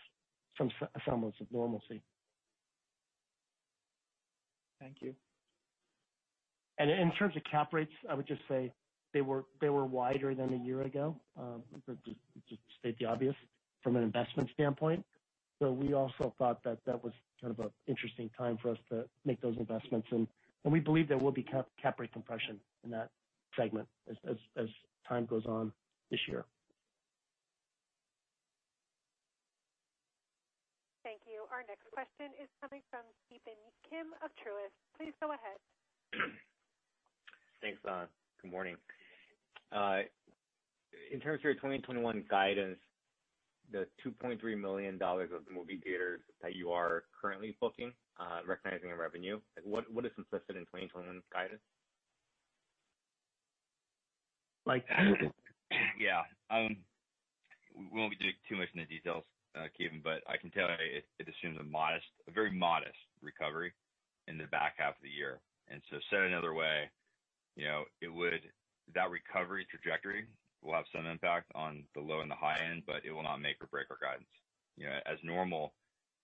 semblance of normalcy. Thank you. In terms of cap rates, I would just say they were wider than a year ago. To state the obvious from an investment standpoint. We also thought that that was kind of an interesting time for us to make those investments. We believe there will be cap rate compression in that segment as time goes on this year. Thank you. Our next question is coming from Ki Bin Kim of Truist. Please go ahead. Thanks. Good morning. In terms of your 2021 guidance, the $2.3 million of movie theaters that you are currently booking, recognizing in revenue. What is implicit in 2021's guidance? Mike? Yeah. We won't be too much in the details, Kevin, but I can tell you it assumes a very modest recovery in the back half of the year. Said another way, that recovery trajectory will have some impact on the low and the high end, but it will not make or break our guidance. As normal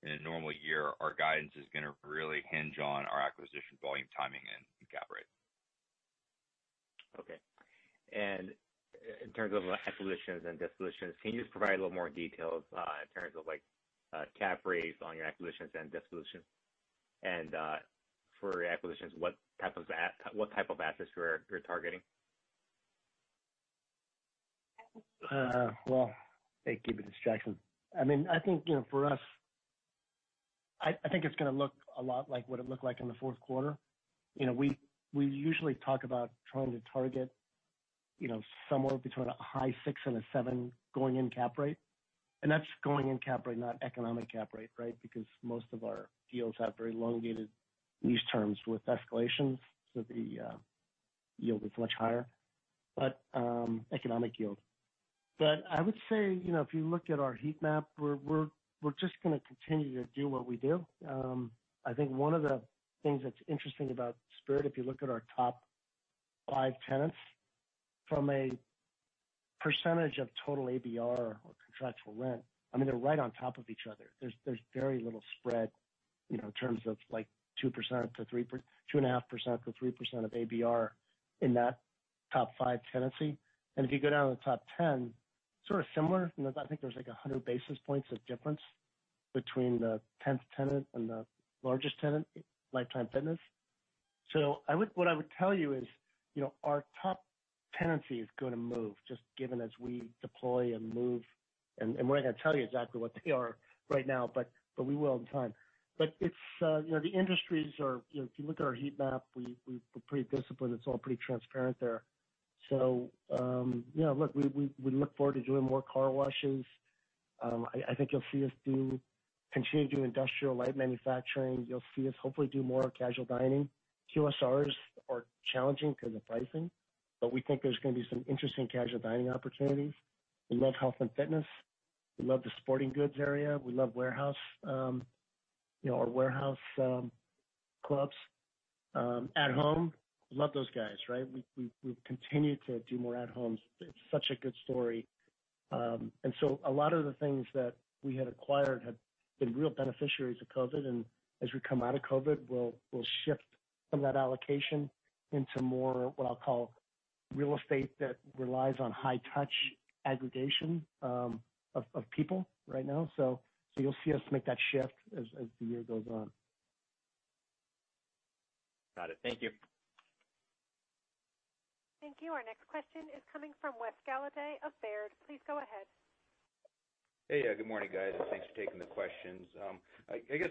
in a normal year, our guidance is going to really hinge on our acquisition volume timing and cap rate. Okay. In terms of acquisitions and dispositions, can you just provide a little more detail in terms of cap rates on your acquisitions and dispositions? For acquisitions, what type of assets you're targeting? Well, hey, Ki Bin, it's Jackson. I think it's going to look a lot like what it looked like in the fourth quarter. We usually talk about trying to target somewhere between a high six and a seven going-in cap rate. That's going-in cap rate, not economic cap rate, right? Most of our deals have very elongated lease terms with escalations, so the yield is much higher. Economic yield. I would say, if you look at our heat map, we're just going to continue to do what we do. I think one of the things that's interesting about Spirit, if you look at our top five tenants from a percentage of total ABR or contractual rent, they're right on top of each other. There's very little spread in terms of 2.5%-3% of ABR in that top five tenancy. If you go down to the top 10, sort of similar. I think there's like 100 basis points of difference between the 10th tenant and the largest tenant, Life Time. What I would tell you is our top tenancy is going to move just given as we deploy and move. We're not going to tell you exactly what they are right now, but we will in time. The industries are, if you look at our heat map, we're pretty disciplined. It's all pretty transparent there. Yeah, look, we look forward to doing more car washes. I think you'll see us continue to do industrial light manufacturing. You'll see us hopefully do more casual dining. QSRs are challenging because of pricing, but we think there's going to be some interesting casual dining opportunities. We love health and fitness. We love the sporting goods area. We love warehouse clubs. At Home, love those guys, right? We've continued to do more At Homes. It's such a good story. A lot of the things that we had acquired have been real beneficiaries of COVID. As we come out of COVID, we'll shift some of that allocation into more, what I'll call real estate that relies on high touch aggregation of people right now. You'll see us make that shift as the year goes on. Got it. Thank you. Thank you. Our next question is coming from Wes Golladay of Baird. Please go ahead. Hey. Good morning, guys. Thanks for taking the questions. I guess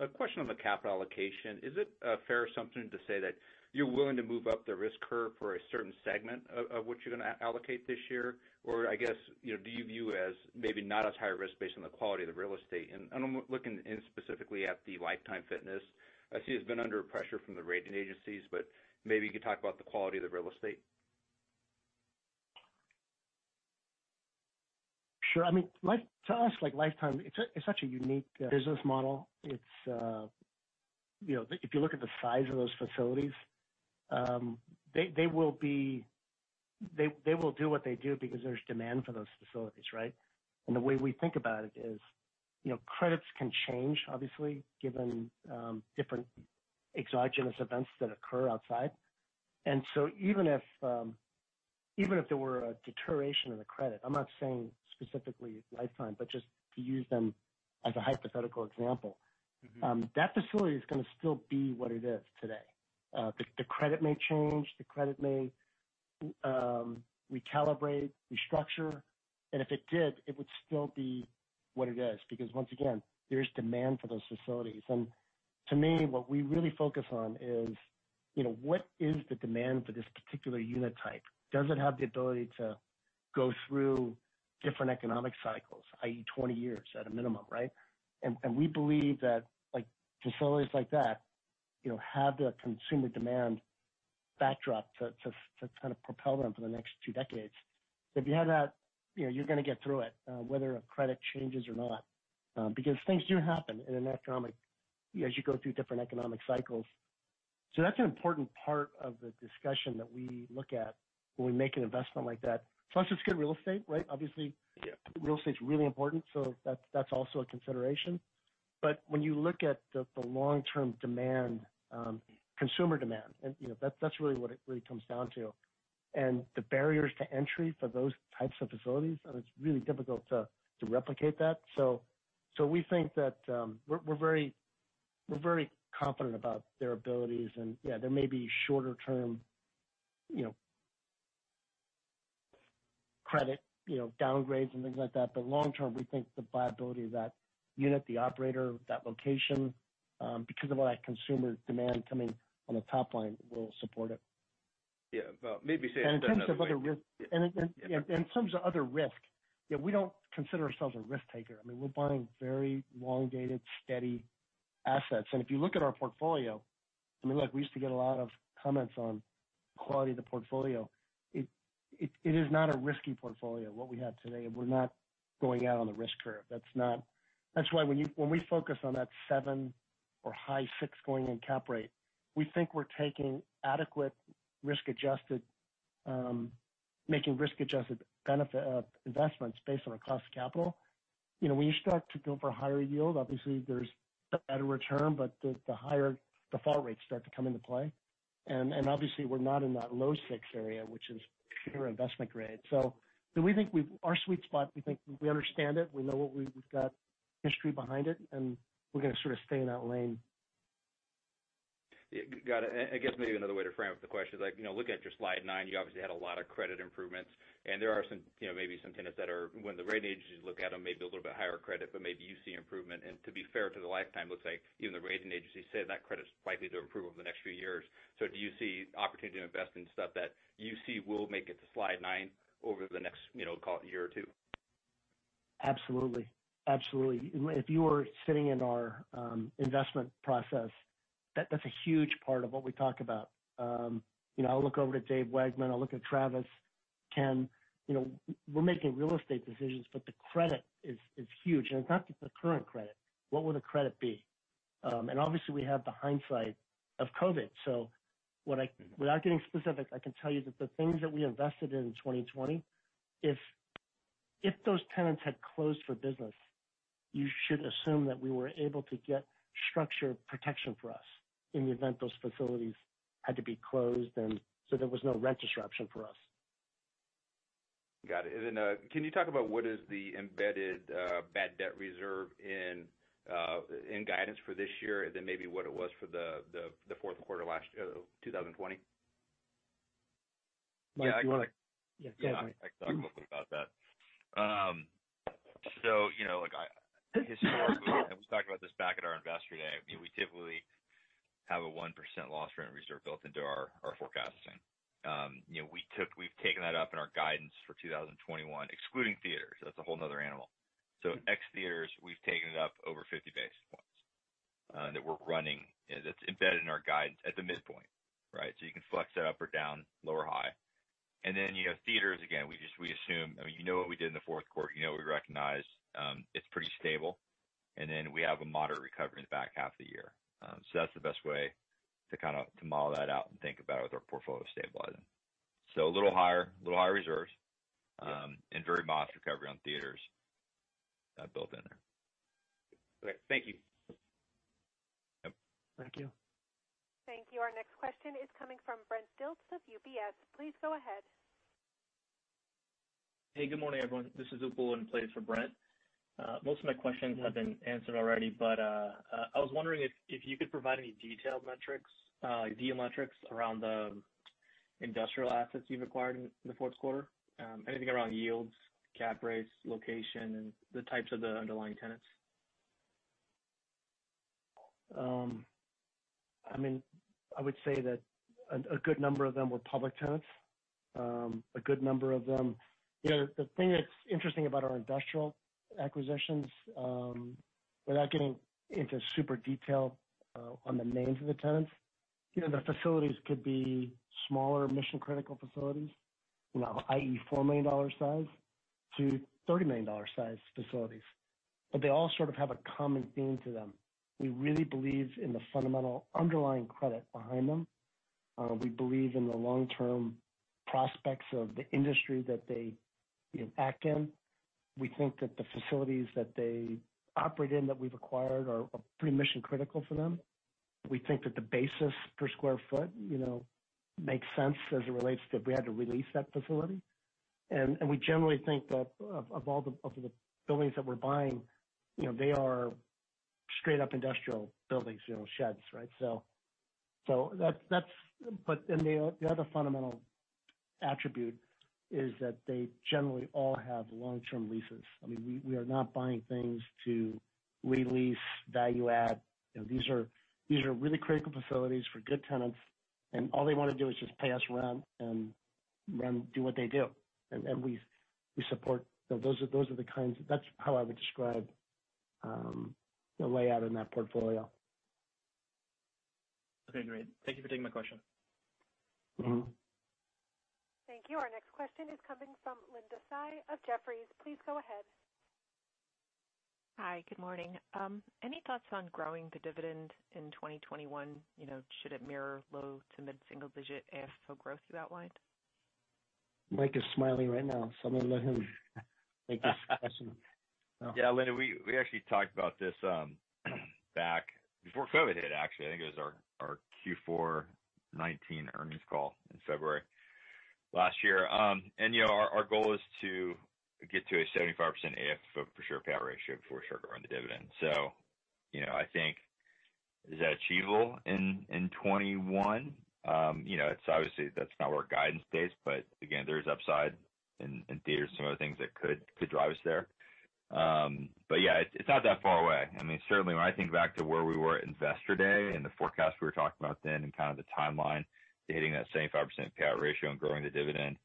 a question on the capital allocation. Is it fair assumption to say that you're willing to move up the risk curve for a certain segment of what you're going to allocate this year? I guess do you view as maybe not as high a risk based on the quality of the real estate? I'm looking in specifically at the Life Time. I see it's been under pressure from the rating agencies, but maybe you could talk about the quality of the real estate. Sure. To us, Life Time it's such a unique business model. If you look at the size of those facilities, they will do what they do because there's demand for those facilities, right? The way we think about it is credits can change, obviously, given different exogenous events that occur outside. Even if there were a deterioration of the credit, I'm not saying specifically Life Time, but just to use them as a hypothetical example. That facility is going to still be what it is today. The credit may change, the credit recalibrate, restructure. If it did, it would still be what it is. Once again, there is demand for those facilities. To me, what we really focus on is, what is the demand for this particular unit type? Does it have the ability to go through different economic cycles, i.e., 20 years at a minimum, right? We believe that facilities like that have the consumer demand backdrop to propel them for the next two decades. If you have that, you're going to get through it, whether a credit changes or not, because things do happen as you go through different economic cycles. That's an important part of the discussion that we look at when we make an investment like that. Plus it's good real estate, right? Yeah. Real estate's really important, that's also a consideration. When you look at the long-term demand, consumer demand, that's really what it comes down to. The barriers to entry for those types of facilities, and it's really difficult to replicate that. We think that we're very confident about their abilities. There may be shorter term credit downgrades and things like that, but long term, we think the viability of that unit, the operator, that location, because of all that consumer demand coming on the top line will support it. Yeah. Maybe say it another way- In terms of other risk, we don't consider ourselves a risk taker. We're buying very long-dated steady assets. If you look at our portfolio, we used to get a lot of comments on quality of the portfolio. It is not a risky portfolio, what we have today. We're not going out on the risk curve. That's why when we focus on that seven or high six going in cap rate, we think we're taking adequate risk-adjusted, making risk-adjusted investments based on our cost of capital. When you start to go for higher yield, obviously there's better return, but the default rates start to come into play. Obviously we're not in that low six area, which is pure investment grade. We think our sweet spot, we think we understand it, we know what we've got, history behind it, and we're going to sort of stay in that lane. Yeah. Got it. I guess maybe another way to frame up the question is looking at your slide nine, you obviously had a lot of credit improvements, and there are maybe some tenants that are, when the rating agencies look at them, maybe a little bit higher credit, but maybe you see improvement. To be fair to the Life Time, looks like even the rating agencies say that credit's likely to improve over the next few years. Do you see opportunity to invest in stuff that you see will make it to slide nine over the next call it a year or two? Absolutely. If you were sitting in our investment process, that's a huge part of what we talk about. I'll look over to Dave Wegman, I'll look at Travis, Ken. We're making real estate decisions, but the credit is huge, and it's not just the current credit. What will the credit be? Obviously we have the hindsight of COVID. Without getting specific, I can tell you that the things that we invested in 2020, if those tenants had closed for business, you should assume that we were able to get structure protection for us in the event those facilities had to be closed. There was no rent disruption for us. Got it. Can you talk about what is the embedded bad debt reserve in guidance for this year, and then maybe what it was for the fourth quarter, last year, 2020? Mike, do you want to Yeah. I can talk a little bit about that. Historically, and we talked about this back at our investor day, we typically have a 1% loss rent reserve built into our forecasting. We've taken that up in our guidance for 2021, excluding theaters. That's a whole another animal. Ex-theaters, we've taken it up over 50 basis points that we're running, that's embedded in our guidance at the midpoint. You can flex that up or down, low or high. Theaters, again, we assume You know what we did in the fourth quarter, you know what we recognized. It's pretty stable. We have a moderate recovery in the back half of the year. That's the best way to model that out and think about it with our portfolio stabilizing. A little higher reserves and very modest recovery on theaters built in there. Great. Thank you. Yep. Thank you. Thank you. Our next question is coming from Brent Dilts of UBS. Please go ahead. Hey, good morning, everyone. This is Upal in place for Brent. Most of my questions have been answered already, I was wondering if you could provide any detailed metrics, like deal metrics around the industrial assets you've acquired in the fourth quarter. Anything around yields, cap rates, location, and the types of the underlying tenants. I would say that a good number of them were public tenants. The thing that's interesting about our industrial acquisitions, without getting into super detail on the names of the tenants, the facilities could be smaller mission critical facilities, i.e., $4 million size-$30 million size facilities. They all sort of have a common theme to them. We really believe in the fundamental underlying credit behind them. We believe in the long-term prospects of the industry that they act in. We think that the facilities that they operate in that we've acquired are pretty mission critical for them. We think that the basis per square foot makes sense as it relates to if we had to release that facility. We generally think that of the buildings that we're buying, they are straight up industrial buildings, sheds, right? The other fundamental attribute is that they generally all have long-term leases. We are not buying things to re-lease, value add. These are really critical facilities for good tenants, and all they want to do is just pay us rent and do what they do. We support. That's how I would describe the layout in that portfolio. Okay, great. Thank Thank you for taking my question. Thank you. Our next question is coming from Linda Tsai of Jefferies. Please go ahead. Hi, good morning. Any thoughts on growing the dividend in 2021? Should it mirror low to mid-single digit AFFO growth you outlined? Mike is smiling right now, so I'm going to let him take this question. Linda, we actually talked about this back before COVID hit, actually. I think it was our Q4 2019 earnings call in February last year. Our goal is to get to a 75% AFFO for sure payout ratio before Sugar on the dividend. I think is that achievable in 2021? Obviously, that's not where guidance stays, but again, there is upside and indeed there's some other things that could drive us there. Yeah, it's not that far away. Certainly when I think back to where we were at Investor Day and the forecast we were talking about then and the timeline to hitting that 75% payout ratio and growing the dividend,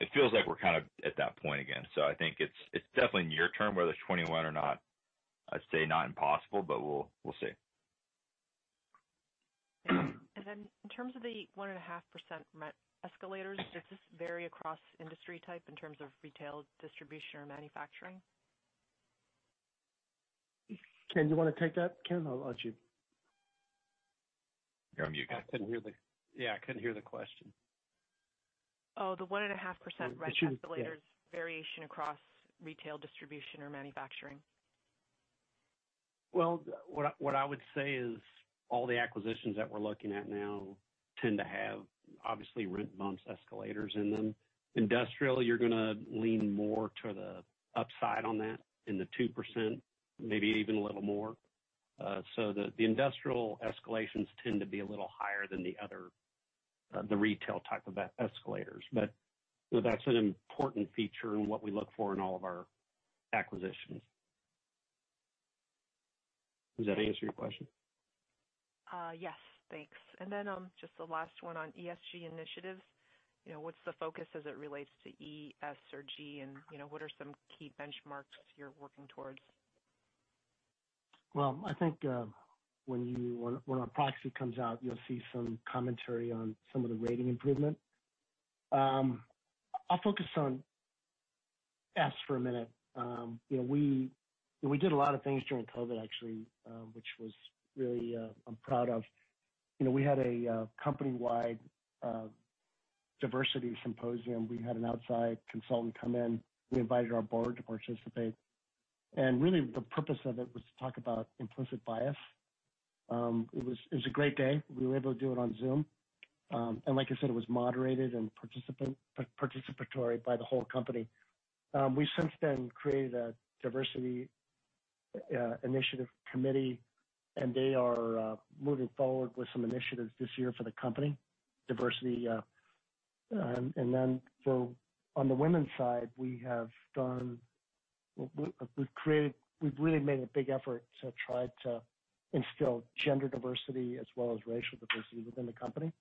it feels like we're at that point again. I think it's definitely near term, whether it's 2021 or not. I'd say not impossible, but we'll see. In terms of the 1.5% rent escalators, does this vary across industry type in terms of retail distribution or manufacturing? Ken, you want to take that? Ken, how about you? You're on mute, Ken. Yeah, I couldn't hear the question. Oh, the 1.5% rent escalators variation across retail distribution or manufacturing. What I would say is all the acquisitions that we're looking at now tend to have, obviously, rent bumps escalators in them. Industrial, you're going to lean more to the upside on that in the 2%, maybe even a little more. The industrial escalations tend to be a little higher than the other, the retail type of escalators. That's an important feature in what we look for in all of our acquisitions. Does that answer your question? Yes. Thanks. Just the last one on ESG initiatives. What's the focus as it relates to E, S or G, and what are some key benchmarks you're working towards? Well, I think when our proxy comes out, you'll see some commentary on some of the rating improvement. I'll focus on S for a minute. We did a lot of things during COVID-19, actually, which really I'm proud of. We had a company-wide diversity symposium. We had an outside consultant come in. We invited our board to participate. Really the purpose of it was to talk about implicit bias. It was a great day. We were able to do it on Zoom. Like I said, it was moderated and participatory by the whole company. We since then created a diversity initiative committee, and they are moving forward with some initiatives this year for the company diversity. On the women's side, we've really made a big effort to try to instill gender diversity as well as racial diversity within the company.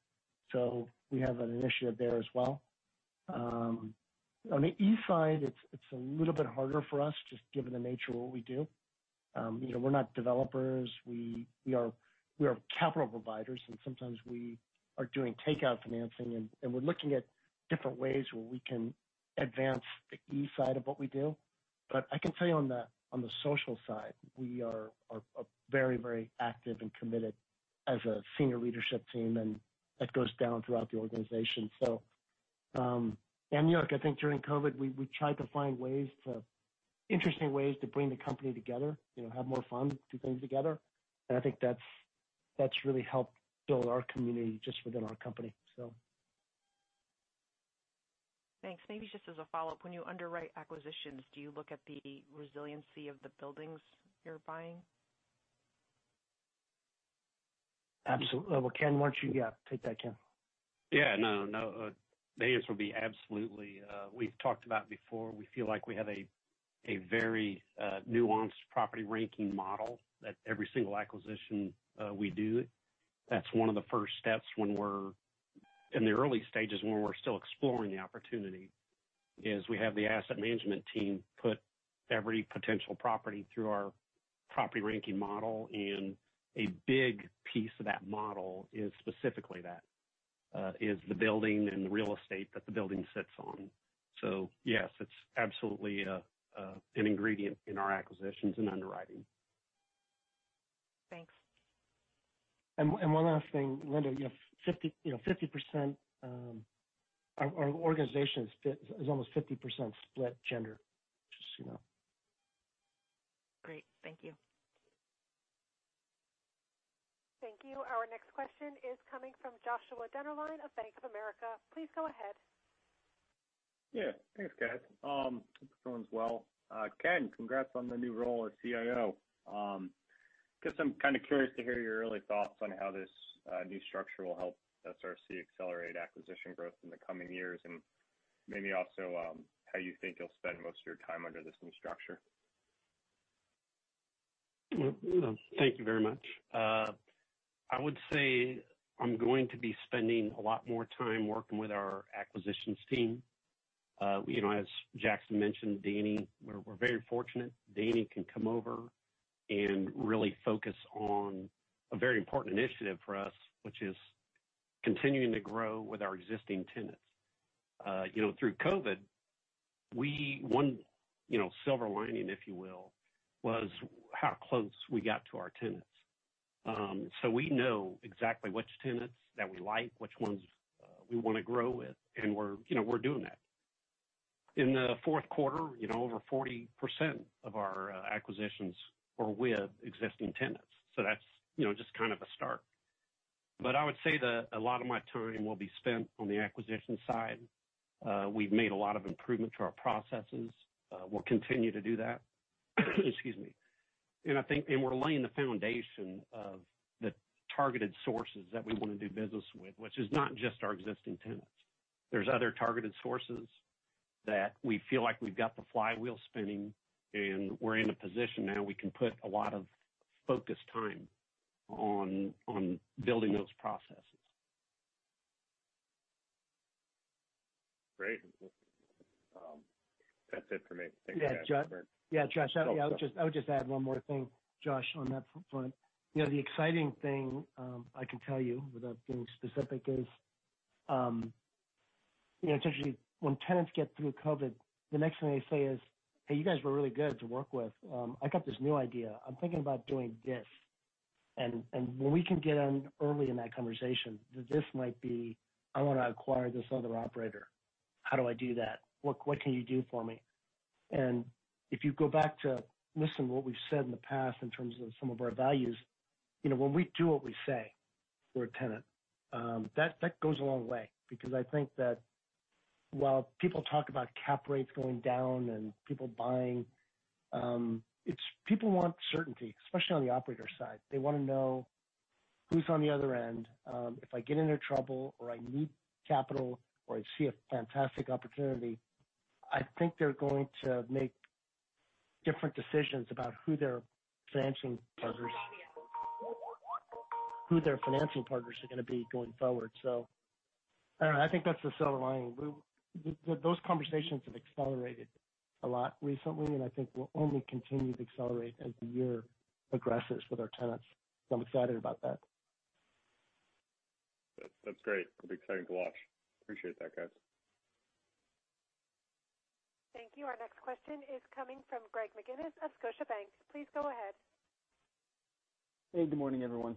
We have an initiative there as well. On the E side, it's a little bit harder for us, just given the nature of what we do. We're not developers. We are capital providers, and sometimes we are doing takeout financing, and we're looking at different ways where we can advance the E side of what we do. I can tell you on the social side, we are very active and committed as a senior leadership team, and that goes down throughout the organization. New York, I think during COVID, we tried to find interesting ways to bring the company together, have more fun, do things together, and I think that's really helped build our community just within our company. Thanks. Maybe just as a follow-up, when you underwrite acquisitions, do you look at the resiliency of the buildings you're buying? Absolutely. Well, Ken, why don't you take that, Ken. Yeah. No. The answer would be absolutely. We've talked about before, we feel like we have a very nuanced property ranking model that every single acquisition we do, that's one of the first steps when we're in the early stages when we're still exploring the opportunity, is we have the asset management team put every potential property through our property ranking model, and a big piece of that model is specifically that, is the building and the real estate that the building sits on. Yes, it's absolutely an ingredient in our acquisitions and underwriting. Thanks. One last thing, Linda, our organization is almost 50% split gender, just so you know. Great. Thank you. Thank you. Our next question is coming from Joshua Dennerlein of Bank of America. Please go ahead. Thanks, guys. Hope everyone's well. Ken, congrats on the new role as CIO. Guess I'm kind of curious to hear your early thoughts on how this new structure will help SRC accelerate acquisition growth in the coming years, and maybe also how you think you'll spend most of your time under this new structure. Thank you very much. I would say I'm going to be spending a lot more time working with our acquisitions team. As Jackson mentioned, Dani, we're very fortunate Dani can come over and really focus on a very important initiative for us, which is continuing to grow with our existing tenants. Through COVID-19, one silver lining, if you will, was how close we got to our tenants. We know exactly which tenants that we like, which ones we want to grow with, and we're doing that. In the fourth quarter, over 40% of our acquisitions were with existing tenants. That's just kind of a start. I would say that a lot of my time will be spent on the acquisition side. We've made a lot of improvements to our processes. We'll continue to do that. Excuse me. We're laying the foundation of the targeted sources that we want to do business with, which is not just our existing tenants. There's other targeted sources that we feel like we've got the flywheel spinning, and we're in a position now we can put a lot of focus time on building those processes. Great. That's it for me. Thanks guys. Josh, I would just add one more thing, Josh, on that front. The exciting thing I can tell you without being specific is, traditionally when tenants get through COVID, the next thing they say is, "Hey, you guys were really good to work with. I got this new idea. I'm thinking about doing this." When we can get in early in that conversation, this might be, "I want to acquire this other operator. How do I do that? What can you do for me?" If you go back to listen to what we've said in the past in terms of some of our values, when we do what we say to a tenant, that goes a long way because I think that while people talk about cap rates going down and people buying, it's people want certainty, especially on the operator side. They want to know who's on the other end. If I get into trouble or I need capital or I see a fantastic opportunity, I think they're going to make different decisions about who their financing partners are going to be going forward. I don't know. I think that's the silver lining. Those conversations have accelerated a lot recently, and I think will only continue to accelerate as the year progresses with our tenants. I'm excited about that. That's great. It'll be exciting to watch. Appreciate that, guys. Thank you. Our next question is coming from Greg McGinniss of Scotiabank. Please go ahead. Hey, good morning, everyone.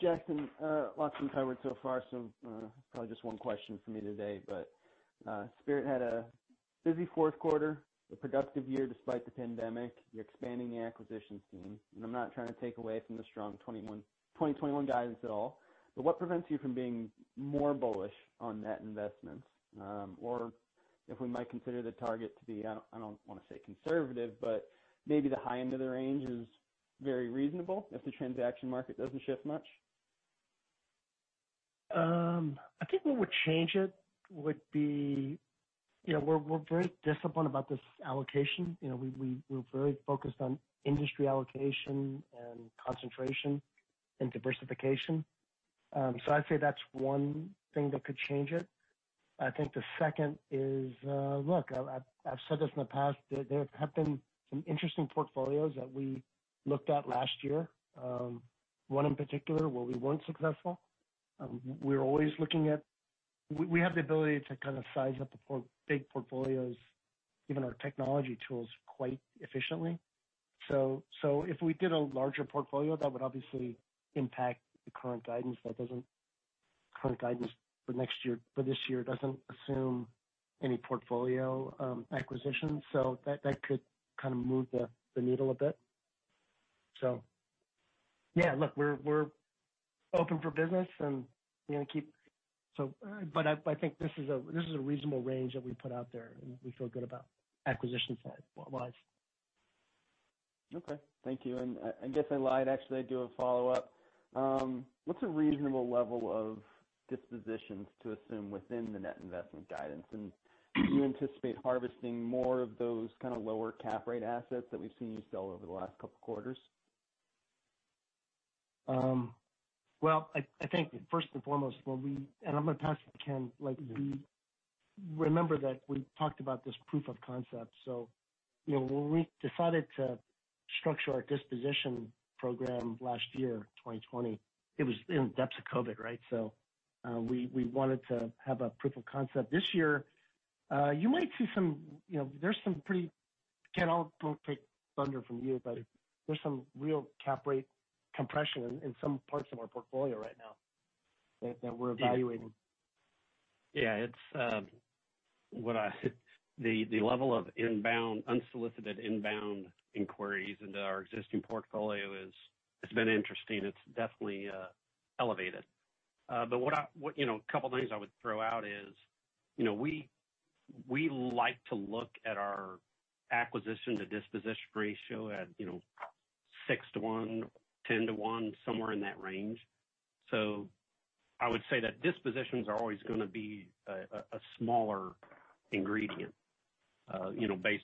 Jackson, lots been covered so far, so probably just one question from me today. Spirit had a busy fourth quarter, a productive year despite the pandemic. You're expanding the acquisition team, and I'm not trying to take away from the strong 2021 guidance at all, but what prevents you from being more bullish on net investments? If we might consider the target to be, I don't want to say conservative, but maybe the high end of the range is very reasonable if the transaction market doesn't shift much. I think what would change it would be we're very disciplined about this allocation. We're very focused on industry allocation and concentration and diversification. I'd say that's one thing that could change it. I think the second is, look, I've said this in the past, there have been some interesting portfolios that we looked at last year. One in particular where we weren't successful. We're always looking at. We have the ability to kind of size up big portfolios, given our technology tools, quite efficiently. If we did a larger portfolio, that would obviously impact the current guidance. Current guidance for this year doesn't assume any portfolio acquisitions. That could kind of move the needle a bit. Yeah, look, we're open for business. I think this is a reasonable range that we put out there, and we feel good about acquisition side-wise. Okay. Thank you. I guess I lied. Actually, I do have a follow-up. What's a reasonable level of dispositions to assume within the net investment guidance? Do you anticipate harvesting more of those kind of lower cap rate assets that we've seen you sell over the last couple of quarters? I think first and foremost, I'm going to pass it to Ken. Remember that we talked about this proof of concept. When we decided to structure our disposition program last year, 2020, it was in the depths of COVID-19, right? We wanted to have a proof of concept. This year, you might see some pretty Ken, I'll take thunder from you, but there's some real cap rate compression in some parts of our portfolio right now that we're evaluating. Yeah. The level of unsolicited inbound inquiries into our existing portfolio has been interesting. It's definitely elevated. A couple of things I would throw out is, we like to look at our acquisition to disposition ratio at six to one, 10 to one, somewhere in that range. I would say that dispositions are always going to be a smaller ingredient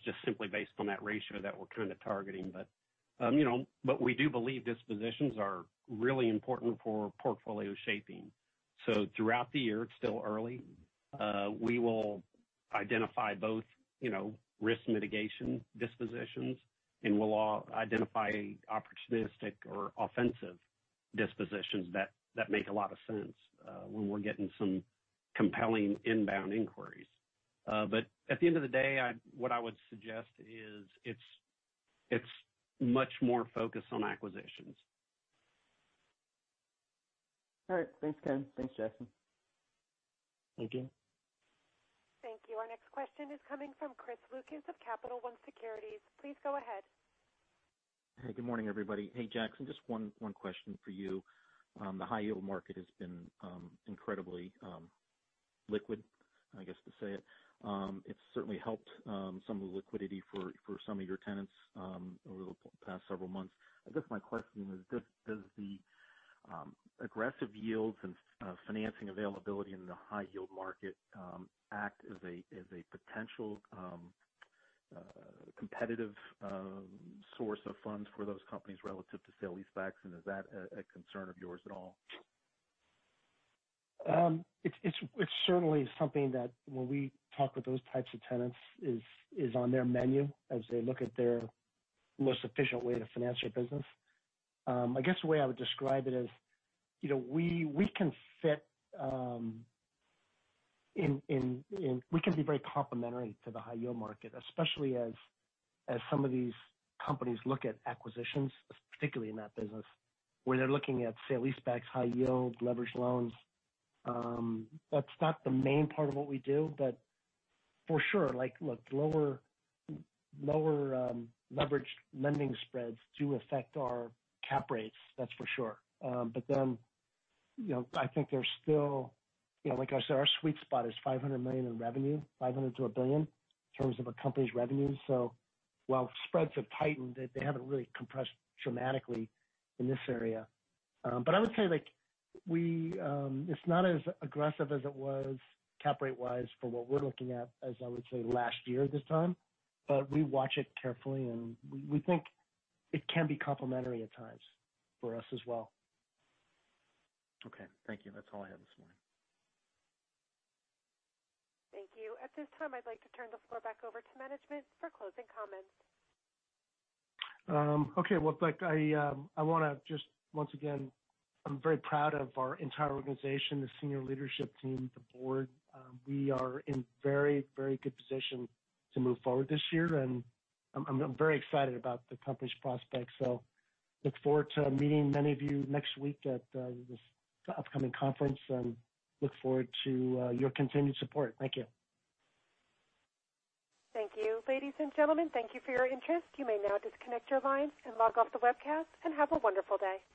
just simply based on that ratio that we're kind of targeting. We do believe dispositions are really important for portfolio shaping. Throughout the year, it's still early, we will identify both risk mitigation dispositions, and we'll identify opportunistic or offensive dispositions that make a lot of sense when we're getting some compelling inbound inquiries. At the end of the day, what I would suggest is it's much more focused on acquisitions. All right. Thanks, Ken. Thanks, Jackson. Thank you. Thank you. Our next question is coming from Chris Lucas of Capital One Securities. Please go ahead. Hey, good morning, everybody. Hey, Jackson, just one question for you. The high-yield market has been incredibly liquid to say it. It's certainly helped some of the liquidity for some of your tenants over the past several months. My question is, does the aggressive yields and financing availability in the high-yield market act as a potential competitive source of funds for those companies relative to sale-leasebacks, and is that a concern of yours at all? It's certainly something that when we talk with those types of tenants is on their menu as they look at their most efficient way to finance their business. I guess the way I would describe it is we can be very complementary to the high-yield market, especially as some of these companies look at acquisitions, particularly in that business, where they're looking at sale-leasebacks, high yield, leveraged loans. That's not the main part of what we do, but for sure, lower leverage lending spreads do affect our cap rates, that's for sure. I think there's still, like I said, our sweet spot is $500 million in revenue, $500 million-$1 billion, in terms of a company's revenue. While spreads have tightened, they haven't really compressed dramatically in this area. I would say it's not as aggressive as it was cap rate-wise for what we're looking at as, I would say, last year at this time. We watch it carefully, and we think it can be complementary at times for us as well. Okay. Thank you. That's all I have this morning. Thank you. At this time, I'd like to turn the floor back over to management for closing comments. Okay. Look, I want to just once again, I'm very proud of our entire organization, the senior leadership team, the board. We are in very good position to move forward this year, and I'm very excited about the company's prospects. Look forward to meeting many of you next week at this upcoming conference and look forward to your continued support. Thank you. Thank you. Ladies and gentlemen, thank you for your interest. You may now disconnect your lines and log off the webcast, and have a wonderful day.